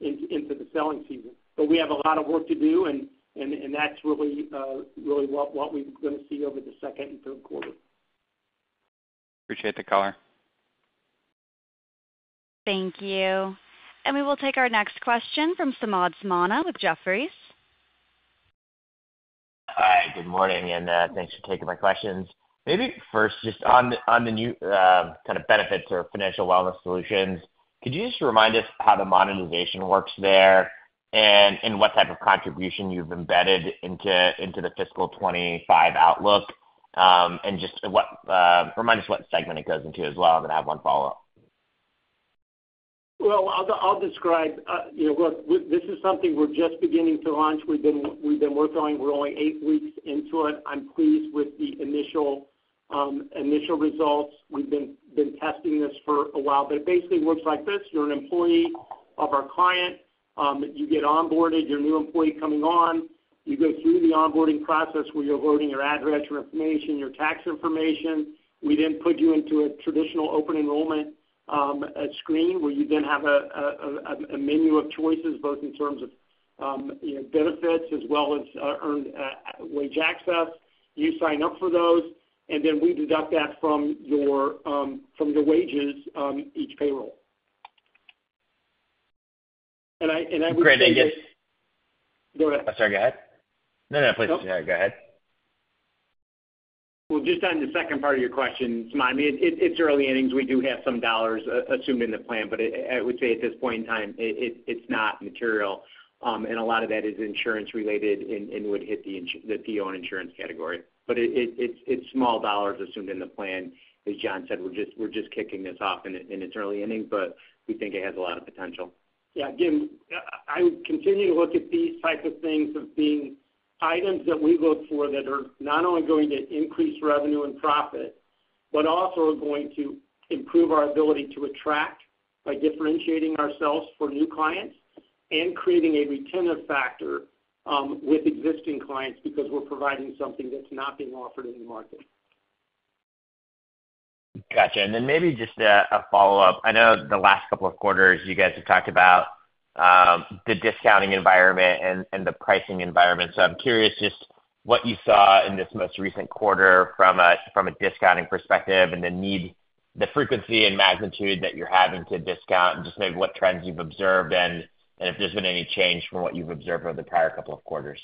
Speaker 3: the selling season. But we have a lot of work to do, and that's really what we're gonna see over the second and third quarter.
Speaker 9: Appreciate the color.
Speaker 1: Thank you. And we will take our next question from Samad Samana with Jefferies.
Speaker 10: Hi, good morning, and thanks for taking my questions. Maybe first, just on the new kind of benefits or financial wellness solutions, could you just remind us how the monetization works there, and what type of contribution you've embedded into the fiscal 2025 outlook? And just remind us what segment it goes into as well, and I have one follow-up.
Speaker 3: I'll describe. You know, look, this is something we're just beginning to launch. We've been working on. We're only eight weeks into it. I'm pleased with the initial results. We've been testing this for a while, but it basically works like this: You're an employee of our client, you get onboarded, you're a new employee coming on. You go through the onboarding process, where you're loading your address, your information, your tax information. We then put you into a traditional open enrollment screen, where you then have a menu of choices, both in terms of, you know, benefits as well as earned wage access. You sign up for those, and then we deduct that from your wages each payroll.
Speaker 2: And I would say that-
Speaker 10: Great, I guess-
Speaker 2: Go ahead.
Speaker 10: I'm sorry, go ahead. No, no, please, yeah, go ahead.
Speaker 2: Just on the second part of your question, Samad, I mean, it's early innings. We do have some dollars assumed in the plan, but I would say at this point in time, it's not material. And a lot of that is insurance related and would hit the PEO and insurance category. But it's small dollars assumed in the plan. As John said, we're just kicking this off, and it's early innings, but we think it has a lot of potential.
Speaker 3: Yeah, again, I, I would continue to look at these types of things as being items that we look for that are not only going to increase revenue and profit, but also are going to improve our ability to attract by differentiating ourselves for new clients... and creating a retainer factor with existing clients because we're providing something that's not being offered in the market.
Speaker 10: Gotcha. And then maybe just a follow-up. I know the last couple of quarters, you guys have talked about the discounting environment and the pricing environment. So I'm curious just what you saw in this most recent quarter from a discounting perspective and the frequency and magnitude that you're having to discount, and just maybe what trends you've observed, and if there's been any change from what you've observed over the prior couple of quarters.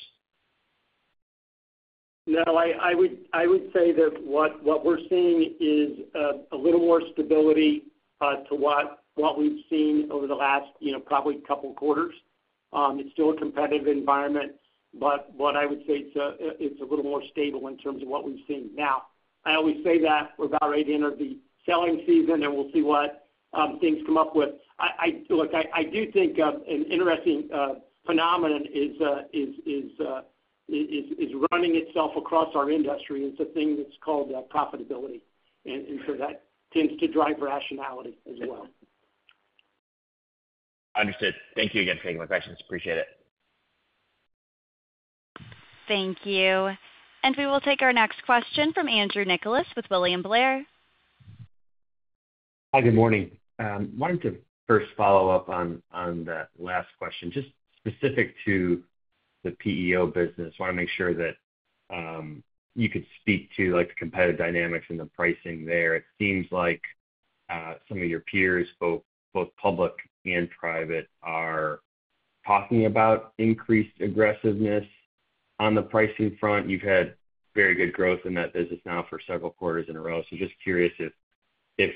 Speaker 3: No, I would say that what we're seeing is a little more stability to what we've seen over the last, you know, probably couple quarters. It's still a competitive environment, but what I would say, it's a little more stable in terms of what we've seen. Now, I always say that we're about ready to enter the selling season, and we'll see what things come up with. Look, I do think an interesting phenomenon is running itself across our industry. It's a thing that's called profitability, and so that tends to drive rationality as well.
Speaker 10: Understood. Thank you again for taking my questions. Appreciate it.
Speaker 1: Thank you. We will take our next question from Andrew Nicholas with William Blair.
Speaker 11: Hi, good morning. Wanted to first follow up on that last question, just specific to the PEO business. I want to make sure that you could speak to, like, the competitive dynamics and the pricing there. It seems like some of your peers, both public and private, are talking about increased aggressiveness on the pricing front. You've had very good growth in that business now for several quarters in a row, so just curious if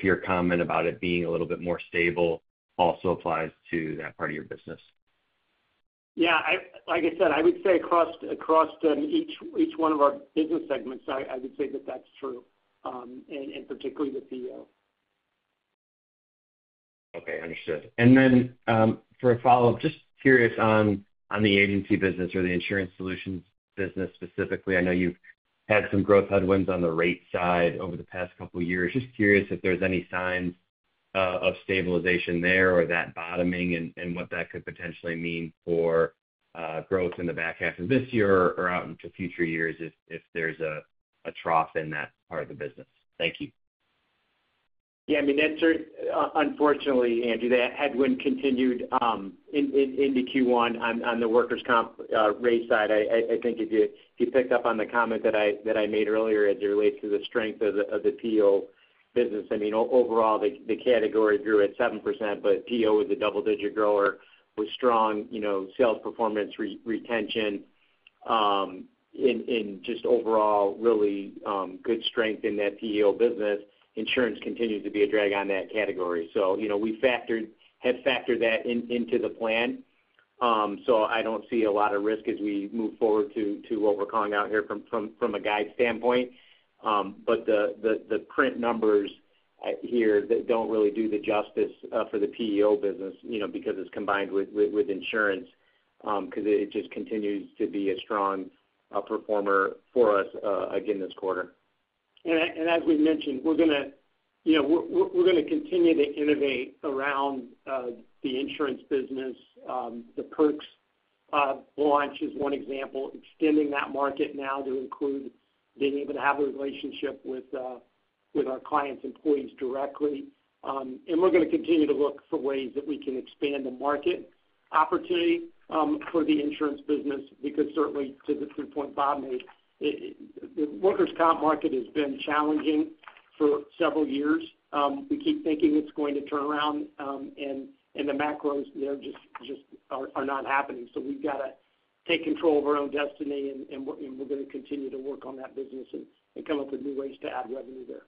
Speaker 11: your comment about it being a little bit more stable also applies to that part of your business.
Speaker 3: Yeah, like I said, I would say across each one of our business segments, I would say that that's true, and particularly the PEO.
Speaker 11: Okay, understood. And then, for a follow-up, just curious on the agency business or the Insurance Solutions business specifically. I know you've had some growth headwinds on the rate side over the past couple of years. Just curious if there's any signs of stabilization there or that bottoming, and what that could potentially mean for growth in the back half of this year or out into future years if there's a trough in that part of the business. Thank you.
Speaker 2: Yeah, I mean, that's unfortunately, Andrew, that headwind continued into Q1 on the workers' comp rate side. I think if you picked up on the comment that I made earlier as it relates to the strength of the PEO business. I mean, overall, the category grew at 7%, but PEO is a double-digit grower with strong, you know, sales performance, retention in just overall, really good strength in that PEO business. Insurance continues to be a drag on that category. So, you know, we had factored that into the plan, so I don't see a lot of risk as we move forward to what we're calling out here from a guide standpoint. But the print numbers here, they don't really do the justice for the PEO business, you know, because it's combined with insurance, because it just continues to be a strong performer for us again this quarter.
Speaker 3: As we mentioned, we're gonna, you know, continue to innovate around the insurance business. The Perks launch is one example, extending that market now to include being able to have a relationship with our clients' employees directly, and we're gonna continue to look for ways that we can expand the market opportunity for the insurance business, because certainly to the point Bob made, the workers' comp market has been challenging for several years. We keep thinking it's going to turn around, and the macros, they're just not happening, so we've got to take control of our own destiny, and we're gonna continue to work on that business and come up with new ways to add revenue there.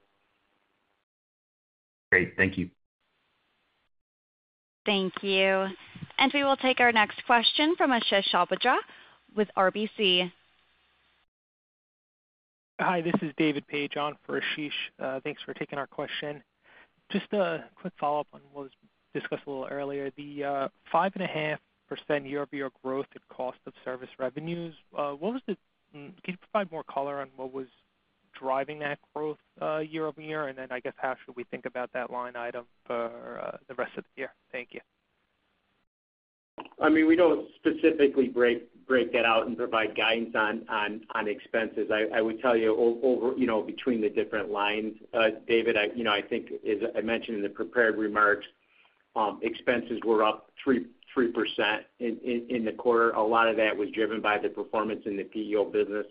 Speaker 11: Great. Thank you.
Speaker 1: Thank you. And we will take our next question from Ashish Sabadra with RBC.
Speaker 12: Hi, this is David Paige on for Ashish. Thanks for taking our question. Just a quick follow-up on what was discussed a little earlier. The 5.5% year-over-year growth at cost of service revenues. Can you provide more color on what was driving that growth year over year? And then, I guess, how should we think about that line item for the rest of the year? Thank you.
Speaker 2: I mean, we don't specifically break that out and provide guidance on expenses. I would tell you over, you know, between the different lines, David, you know, I think, as I mentioned in the prepared remarks, expenses were up 3% in the quarter. A lot of that was driven by the performance in the PEO business,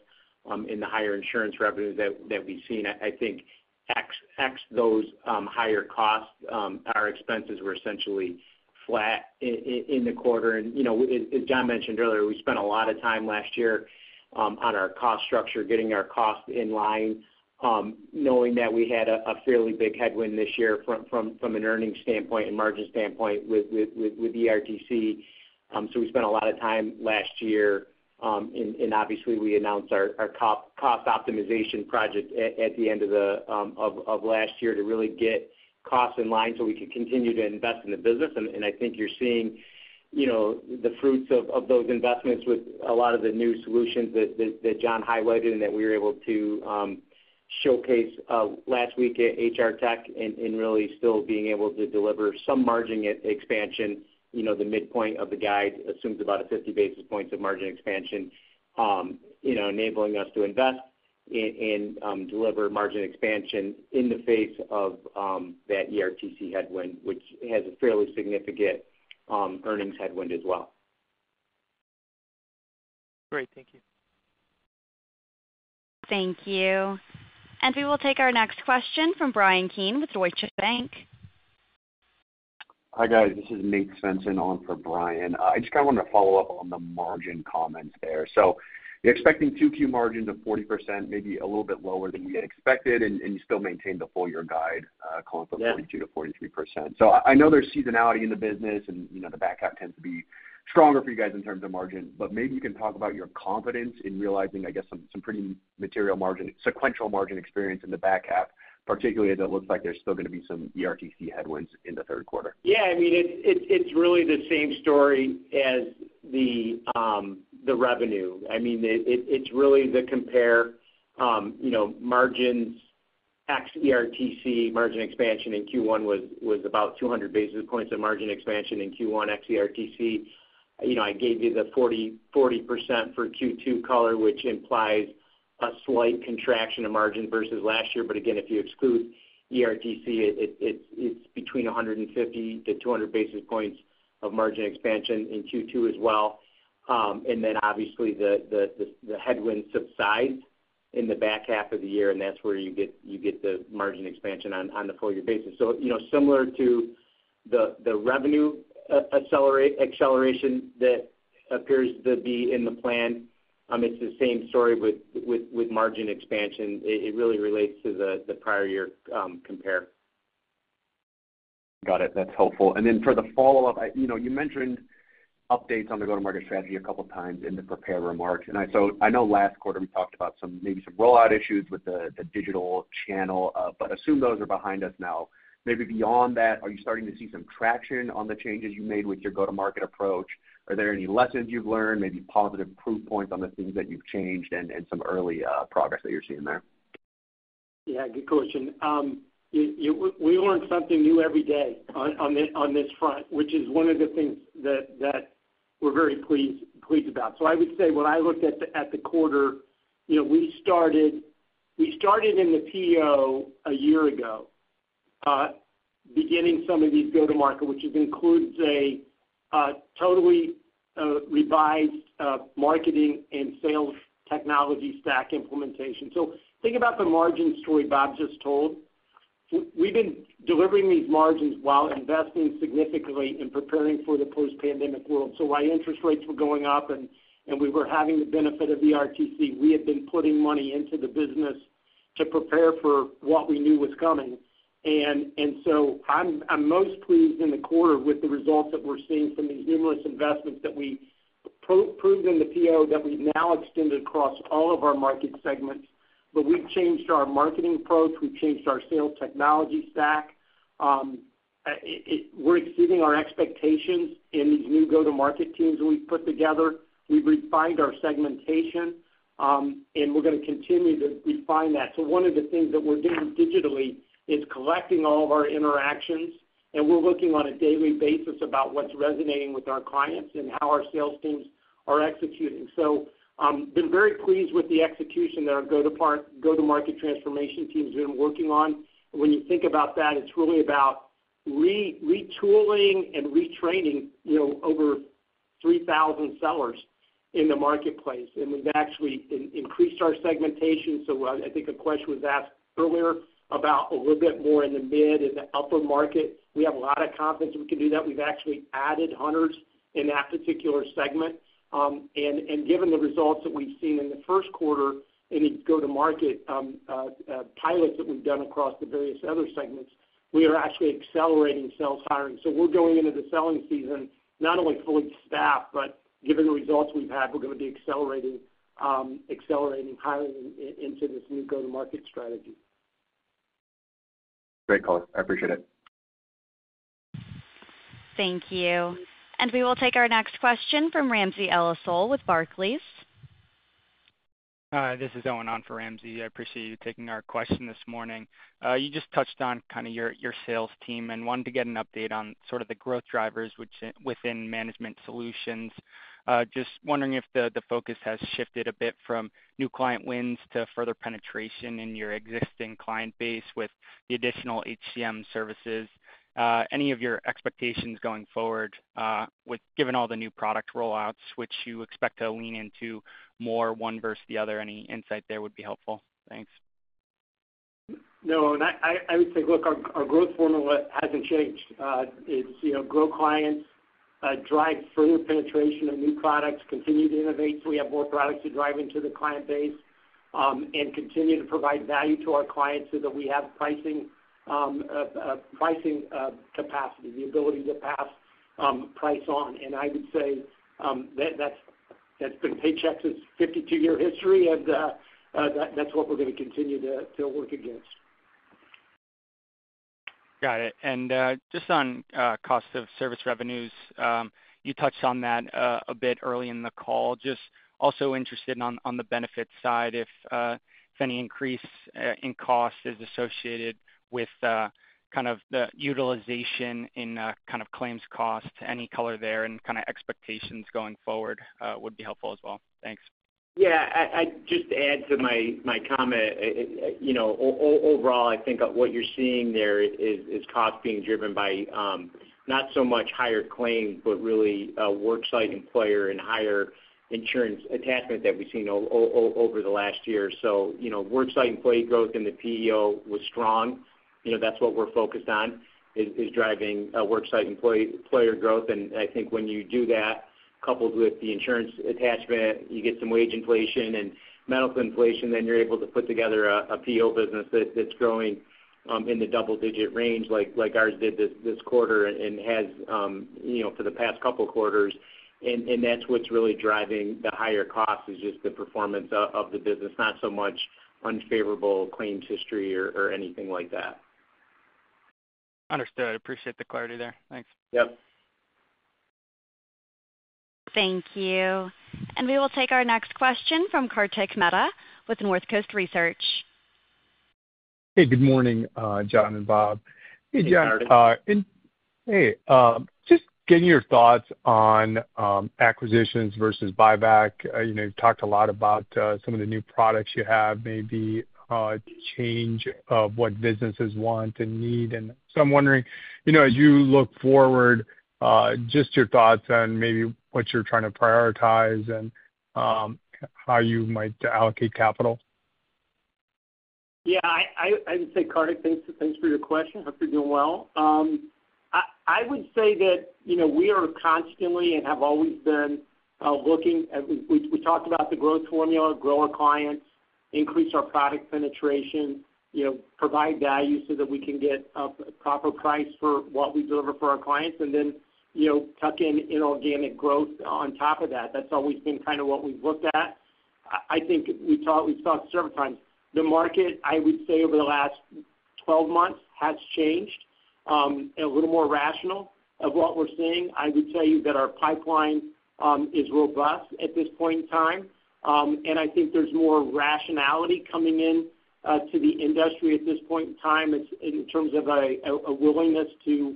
Speaker 2: in the higher insurance revenues that we've seen. I think excluding those higher costs, our expenses were essentially flat in the quarter. And, you know, as John mentioned earlier, we spent a lot of time last year on our cost structure, getting our costs in line, knowing that we had a fairly big headwind this year from an earnings standpoint and margin standpoint with ERTC. So we spent a lot of time last year, and obviously, we announced our top cost optimization project at the end of last year to really get costs in line so we could continue to invest in the business. And I think you're seeing, you know, the fruits of those investments with a lot of the new solutions that John highlighted and that we were able to showcase last week at HR Tech and really still being able to deliver some margin expansion. You know, the midpoint of the guide assumes about 50 basis points of margin expansion, you know, enabling us to invest in deliver margin expansion in the face of that ERTC headwind, which has a fairly significant earnings headwind as well.
Speaker 12: Great. Thank you.
Speaker 1: Thank you. And we will take our next question from Bryan Keane with Deutsche Bank.
Speaker 13: Hi, guys. This is Nate Svensson on for Bryan. I just kind of wanted to follow up on the margin comments there. So you're expecting 2Q margins of 40%, maybe a little bit lower than we had expected, and you still maintain the full year guide, calling for-
Speaker 2: Yeah...
Speaker 13: 42%-43%. So I, I know there's seasonality in the business, and, you know, the back half tends to be stronger for you guys in terms of margin. But maybe you can talk about your confidence in realizing, I guess, some, some pretty material margin, sequential margin experience in the back half, particularly as it looks like there's still gonna be some ERTC headwinds in the third quarter?
Speaker 2: Yeah, I mean, it's really the same story as the revenue. I mean, it's really the comparison, you know, margins ex ERTC. Margin expansion in Q1 was about 200 basis points of margin expansion in Q1, ex ERTC. You know, I gave you the 40% for Q2 color, which implies a slight contraction of margin versus last year. But again, if you exclude ERTC, it's between 150-200 basis points of margin expansion in Q2 as well. And then obviously, the headwind subsides in the back half of the year, and that's where you get the margin expansion on the full year basis. You know, similar to the revenue acceleration that appears to be in the plan, it's the same story with margin expansion. It really relates to the prior year compare.
Speaker 13: Got it. That's helpful. And then for the follow-up, you know, you mentioned updates on the go-to-market strategy a couple of times in the prepared remarks. And so I know last quarter, we talked about some, maybe some rollout issues with the digital channel, but assume those are behind us now. Maybe beyond that, are you starting to see some traction on the changes you made with your go-to-market approach? Are there any lessons you've learned, maybe positive proof points on the things that you've changed and some early progress that you're seeing there?
Speaker 3: Yeah, good question. We learn something new every day on this front, which is one of the things that we're very pleased about. So I would say when I looked at the quarter, you know, we started in the PEO a year ago, beginning some of these go-to-market, which includes a totally revised marketing and sales technology stack implementation. So think about the margin story Bob just told. We've been delivering these margins while investing significantly in preparing for the post-pandemic world. So while interest rates were going up and we were having the benefit of ERTC, we had been putting money into the business to prepare for what we knew was coming. I'm most pleased in the quarter with the results that we're seeing from the numerous investments that we made in the PEO, that we've now extended across all of our market segments. We've changed our marketing approach. We've changed our sales technology stack. We're exceeding our expectations in these new go-to-market teams that we've put together. We've refined our segmentation, and we're gonna continue to refine that. One of the things that we're doing digitally is collecting all of our interactions, and we're looking on a daily basis about what's resonating with our clients and how our sales teams are executing. We've been very pleased with the execution that our go-to-market transformation teams have been working on. When you think about that, it's really about retooling and retraining, you know, over three thousand sellers in the marketplace, and we've actually increased our segmentation. So I think a question was asked earlier about a little bit more in the mid and the upper market. We have a lot of confidence we can do that. We've actually added hunters in that particular segment. And given the results that we've seen in the first quarter in these go-to-market pilots that we've done across the various other segments, we are actually accelerating sales hiring. So we're going into the selling season, not only fully staffed, but given the results we've had, we're gonna be accelerating hiring into this new go-to-market strategy.
Speaker 13: Great call. I appreciate it.
Speaker 1: Thank you. And we will take our next question from Ramsey El-Assal with Barclays.
Speaker 14: This is Owen on for Ramsey. I appreciate you taking our question this morning. You just touched on kind of your sales team and wanted to get an update on sort of the growth drivers within Management Solutions. Just wondering if the focus has shifted a bit from new client wins to further penetration in your existing client base with the additional HCM services. Any of your expectations going forward, given all the new product rollouts, which you expect to lean into more, one versus the other, any insight there would be helpful? Thanks.
Speaker 3: No, and I would say, look, our growth formula hasn't changed. It's, you know, grow clients, drive further penetration of new products, continue to innovate, so we have more products to drive into the client base, and continue to provide value to our clients so that we have pricing capacity, the ability to pass price on. I would say that's been Paychex's fifty-two-year history, and that's what we're gonna continue to work against. ...
Speaker 14: Got it. And just on cost of service revenues, you touched on that a bit early in the call. Just also interested on the benefit side, if any increase in cost is associated with kind of the utilization in kind of claims costs, any color there and kind of expectations going forward would be helpful as well. Thanks.
Speaker 2: Yeah, I just add to my comment, you know, overall, I think what you're seeing there is cost being driven by, not so much higher claims, but really a worksite employee and higher insurance attachment that we've seen over the last year. So, you know, worksite employee growth in the PEO was strong. You know, that's what we're focused on, is driving a worksite employee growth. And I think when you do that, coupled with the insurance attachment, you get some wage inflation and medical inflation, then you're able to put together a PEO business that's growing in the double digit range, like ours did this quarter and has, you know, for the past couple of quarters. That's what's really driving the higher cost is just the performance of the business, not so much unfavorable claims history or anything like that.
Speaker 14: Understood. Appreciate the clarity there. Thanks.
Speaker 2: Yep.
Speaker 1: Thank you, and we will take our next question from Kartik Mehta with Northcoast Research.
Speaker 15: Hey, good morning, John and Bob. Hey, John.
Speaker 3: Hey, Kartik.
Speaker 15: Hey, just getting your thoughts on acquisitions versus buyback. You know, you've talked a lot about some of the new products you have, maybe change of what businesses want and need. So I'm wondering, you know, as you look forward, just your thoughts on maybe what you're trying to prioritize and how you might allocate capital.
Speaker 3: Yeah, I would say, Kartik, thanks for your question. Hope you're doing well. I would say that, you know, we are constantly and have always been looking at... We talked about the growth formula, grow our clients, increase our product penetration, you know, provide value so that we can get a proper price for what we deliver for our clients, and then, you know, tuck in inorganic growth on top of that. That's always been kind of what we've looked at. I think we've talked several times. The market, I would say, over the last 12 months has changed a little more rational of what we're seeing. I would tell you that our pipeline is robust at this point in time. And I think there's more rationality coming in to the industry at this point in time, in terms of a willingness to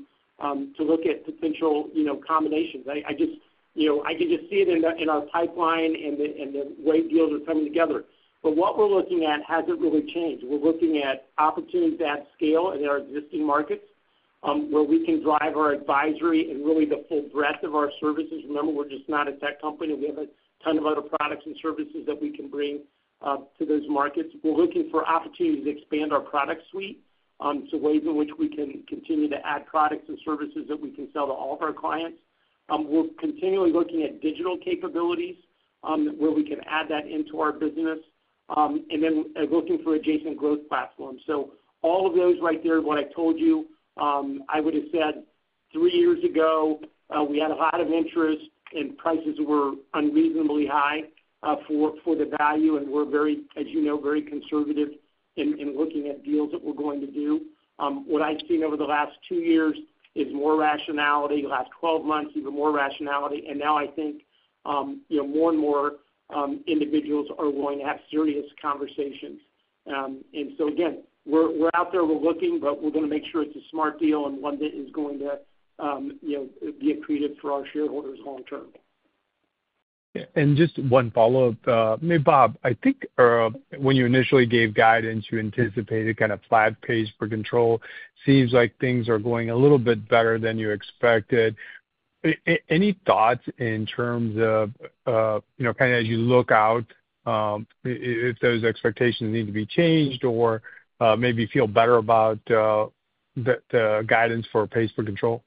Speaker 3: look at potential, you know, combinations. I just- You know, I can just see it in our pipeline and the way deals are coming together. But what we're looking at hasn't really changed. We're looking at opportunities at scale in our existing markets, where we can drive our advisory and really the full breadth of our services. Remember, we're just not a tech company, and we have a ton of other products and services that we can bring to those markets. We're looking for opportunities to expand our product suite, so ways in which we can continue to add products and services that we can sell to all of our clients. We're continually looking at digital capabilities, where we can add that into our business, and then looking for adjacent growth platforms. So all of those right there, what I told you, I would have said three years ago, we had a lot of interest and prices were unreasonably high, for the value, and we're very, as you know, very conservative in looking at deals that we're going to do. What I've seen over the last two years is more rationality, the last 12 months, even more rationality. And now I think, you know, more and more individuals are willing to have serious conversations. And so again, we're out there, we're looking, but we're going to make sure it's a smart deal and one that is going to, you know, be accretive for our shareholders long term.
Speaker 15: Just one follow-up. Bob, I think, when you initially gave guidance, you anticipated kind of flat PEO. Seems like things are going a little bit better than you expected. Any thoughts in terms of, you know, kind of as you look out, if those expectations need to be changed or, maybe feel better about, the guidance for PEO?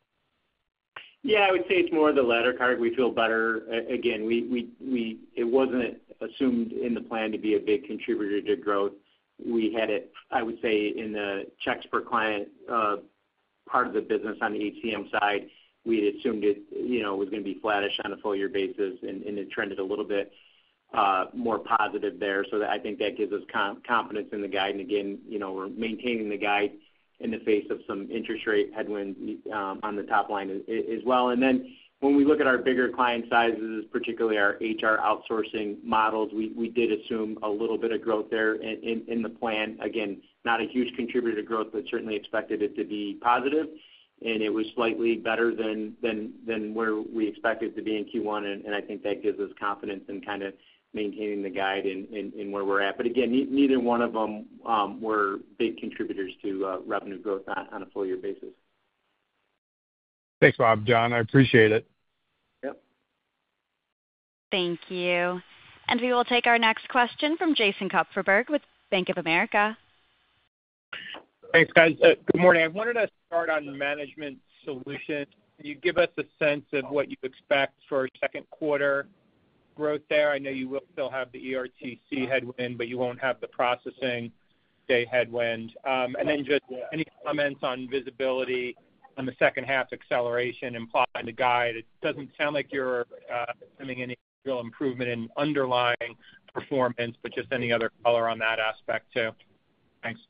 Speaker 2: Yeah, I would say it's more of the latter, Kartik. We feel better. Again, it wasn't assumed in the plan to be a big contributor to growth. We had it, I would say, in the checks per client part of the business on the HCM side, we had assumed it, you know, was going to be flattish on a full year basis, and it trended a little bit more positive there. So I think that gives us confidence in the guide. And again, you know, we're maintaining the guide in the face of some interest rate headwinds on the top line as well. And then when we look at our bigger client sizes, particularly our HR outsourcing models, we did assume a little bit of growth there in the plan. Again, not a huge contributor to growth, but certainly expected it to be positive, and it was slightly better than where we expected to be in Q1. I think that gives us confidence in kind of maintaining the guide in where we're at, but again, neither one of them were big contributors to revenue growth on a full year basis.
Speaker 15: Thanks, Bob, John. I appreciate it.
Speaker 3: Yep.
Speaker 1: Thank you. And we will take our next question from Jason Kupferberg with Bank of America.
Speaker 16: Thanks, guys. Good morning. I wanted to start on Management Solutions. Can you give us a sense of what you expect for second quarter growth there? I know you will still have the ERTC headwind, but you won't have the processing day headwind. And then just any comments on visibility-... on the second half's acceleration implied in the guide. It doesn't sound like you're seeing any real improvement in underlying performance, but just any other color on that aspect, too? Thanks.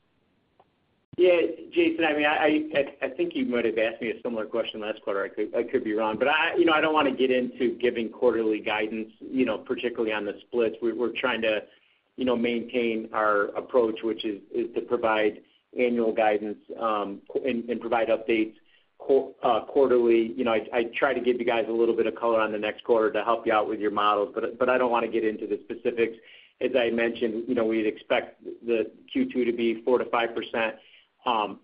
Speaker 2: Yeah, Jason, I mean, I think you might have asked me a similar question last quarter. I could be wrong, but I, you know, I don't want to get into giving quarterly guidance, you know, particularly on the splits. We're trying to, you know, maintain our approach, which is to provide annual guidance, and provide updates quarterly. You know, I try to give you guys a little bit of color on the next quarter to help you out with your models, but I don't want to get into the specifics. As I mentioned, you know, we'd expect the Q2 to be 4%-5%.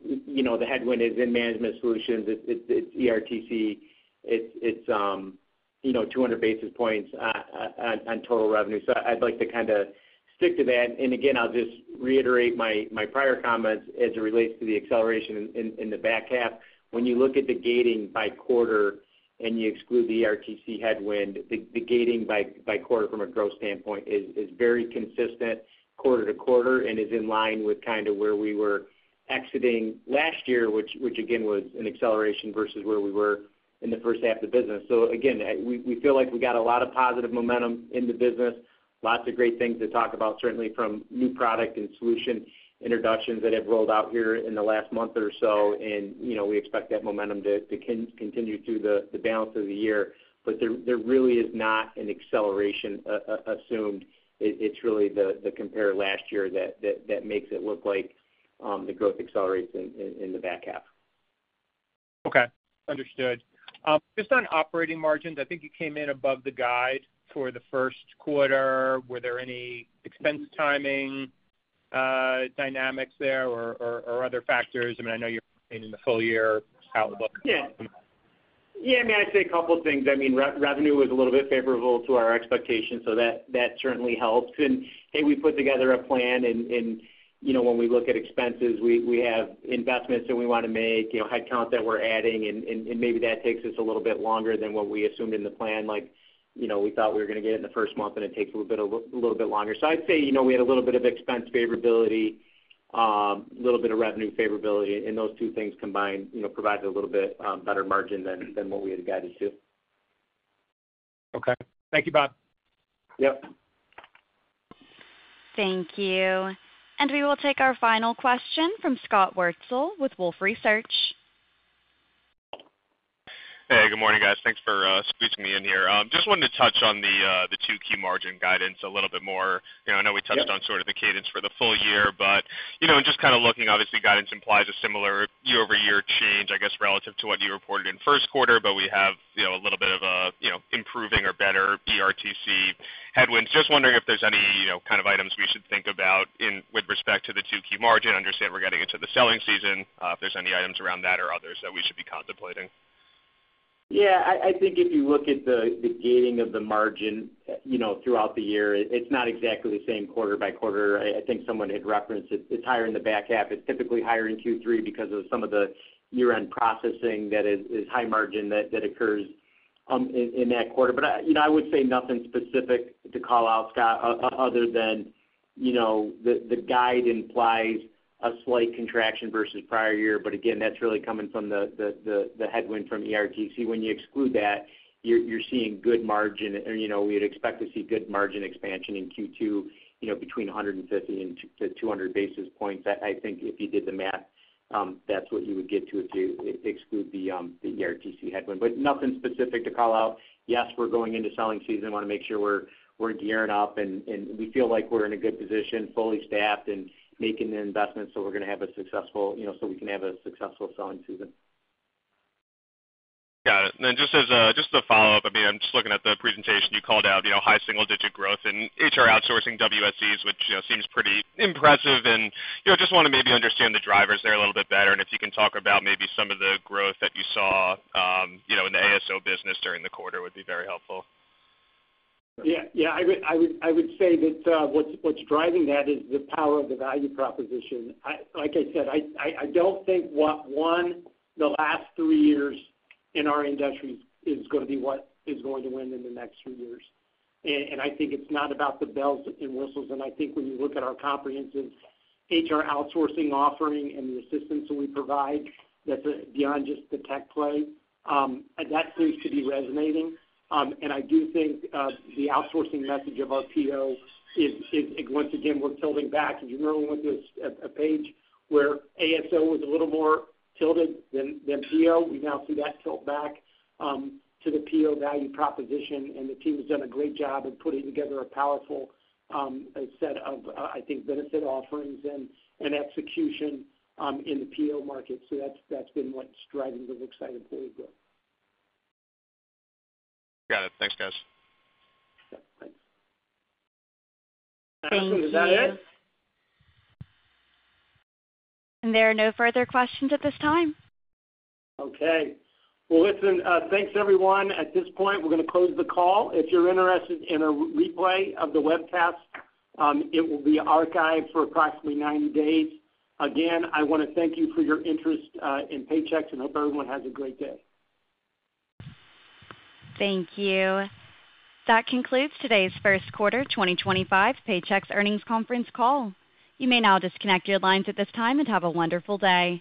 Speaker 2: You know, the headwind is in Management Solutions. It's ERTC. It's you know, two hundred basis points on total revenue. So I'd like to kind of stick to that. And again, I'll just reiterate my prior comments as it relates to the acceleration in the back half. When you look at the guidance by quarter and you exclude the ERTC headwind, the guidance by quarter from a growth standpoint is very consistent quarter to quarter and is in line with kind of where we were exiting last year, which, again, was an acceleration versus where we were in the first half of the business. So again, we feel like we got a lot of positive momentum in the business, lots of great things to talk about, certainly from new product and solution introductions that have rolled out here in the last month or so, and, you know, we expect that momentum to continue through the balance of the year. But there really is not an acceleration assumed. It's really the compare last year that makes it look like the growth accelerates in the back half.
Speaker 16: Okay, understood. Just on operating margins, I think you came in above the guide for the first quarter. Were there any expense timing, dynamics there or other factors? I mean, I know you're staying in the full year how it looks.
Speaker 2: Yeah. Yeah, I mean, I'd say a couple things. I mean, revenue was a little bit favorable to our expectations, so that certainly helped. And, hey, we put together a plan and, you know, when we look at expenses, we have investments that we want to make, you know, headcount that we're adding, and maybe that takes us a little bit longer than what we assumed in the plan. Like, you know, we thought we were going to get it in the first month, and it takes a little bit longer. So I'd say, you know, we had a little bit of expense favorability, a little bit of revenue favorability, and those two things combined, you know, provided a little bit better margin than what we had guided to.
Speaker 16: Okay. Thank you, Bob.
Speaker 2: Yep.
Speaker 1: Thank you, and we will take our final question from Scott Wurtzel with Wolfe Research.
Speaker 17: Hey, good morning, guys. Thanks for squeezing me in here. Just wanted to touch on the two key margin guidance a little bit more. You know, I know we touched on-
Speaker 2: Yep...
Speaker 17: sort of the cadence for the full year, but, you know, just kind of looking, obviously, guidance implies a similar year-over-year change, I guess, relative to what you reported in first quarter, but we have, you know, a little bit of a, you know, improving or better ERTC headwind. Just wondering if there's any, you know, kind of items we should think about with respect to the 2Q margin. I understand we're getting into the selling season, if there's any items around that or others that we should be contemplating.
Speaker 2: Yeah, I think if you look at the gating of the margin, you know, throughout the year, it's not exactly the same quarter by quarter. I think someone had referenced it. It's higher in the back half. It's typically higher in Q3 because of some of the year-end processing that is high margin that occurs in that quarter. But, you know, I would say nothing specific to call out, Scott, other than, you know, the guide implies a slight contraction versus prior year, but again, that's really coming from the headwind from ERTC. When you exclude that, you're seeing good margin, and, you know, we'd expect to see good margin expansion in Q2, you know, between one hundred and fifty and two hundred basis points. I think if you did the math, that's what you would get to if you exclude the ERTC headwind, but nothing specific to call out. Yes, we're going into selling season. Want to make sure we're gearing up, and we feel like we're in a good position, fully staffed and making the investments, so we're going to have a successful, you know, so we can have a successful selling season.
Speaker 17: Got it. Then just as just to follow up, I mean, I'm just looking at the presentation. You called out, you know, high single-digit growth in HR outsourcing WSEs, which, you know, seems pretty impressive, and, you know, just want to maybe understand the drivers there a little bit better, and if you can talk about maybe some of the growth that you saw, you know, in the ASO business during the quarter would be very helpful.
Speaker 3: Yeah, yeah. I would say that what's driving that is the power of the value proposition. Like I said, I don't think what won the last three years in our industry is going to be what is going to win in the next few years. And I think it's not about the bells and whistles, and I think when you look at our comprehensive HR outsourcing offering and the assistance that we provide, that's beyond just the tech play, that seems to be resonating. And I do think the outsourcing message of our PEO is once again, we're tilting back. You remember when there was a page where ASO was a little more tilted than PEO? We now see that tilt back to the PEO value proposition, and the team has done a great job of putting together a powerful set of, I think, benefit offerings and execution in the PEO market. So that's been what's driving the accelerated employee growth.
Speaker 17: Got it. Thanks, guys.
Speaker 3: Yeah, thanks.
Speaker 1: Thank you.
Speaker 2: Is that it?
Speaker 1: There are no further questions at this time.
Speaker 2: Okay. Well, listen, thanks, everyone. At this point, we're going to close the call. If you're interested in a replay of the webcast, it will be archived for approximately ninety days. Again, I want to thank you for your interest in Paychex and hope everyone has a great day.
Speaker 1: Thank you. That concludes today's First Quarter 2025 Paychex Earnings Conference Call. You may now disconnect your lines at this time and have a wonderful day.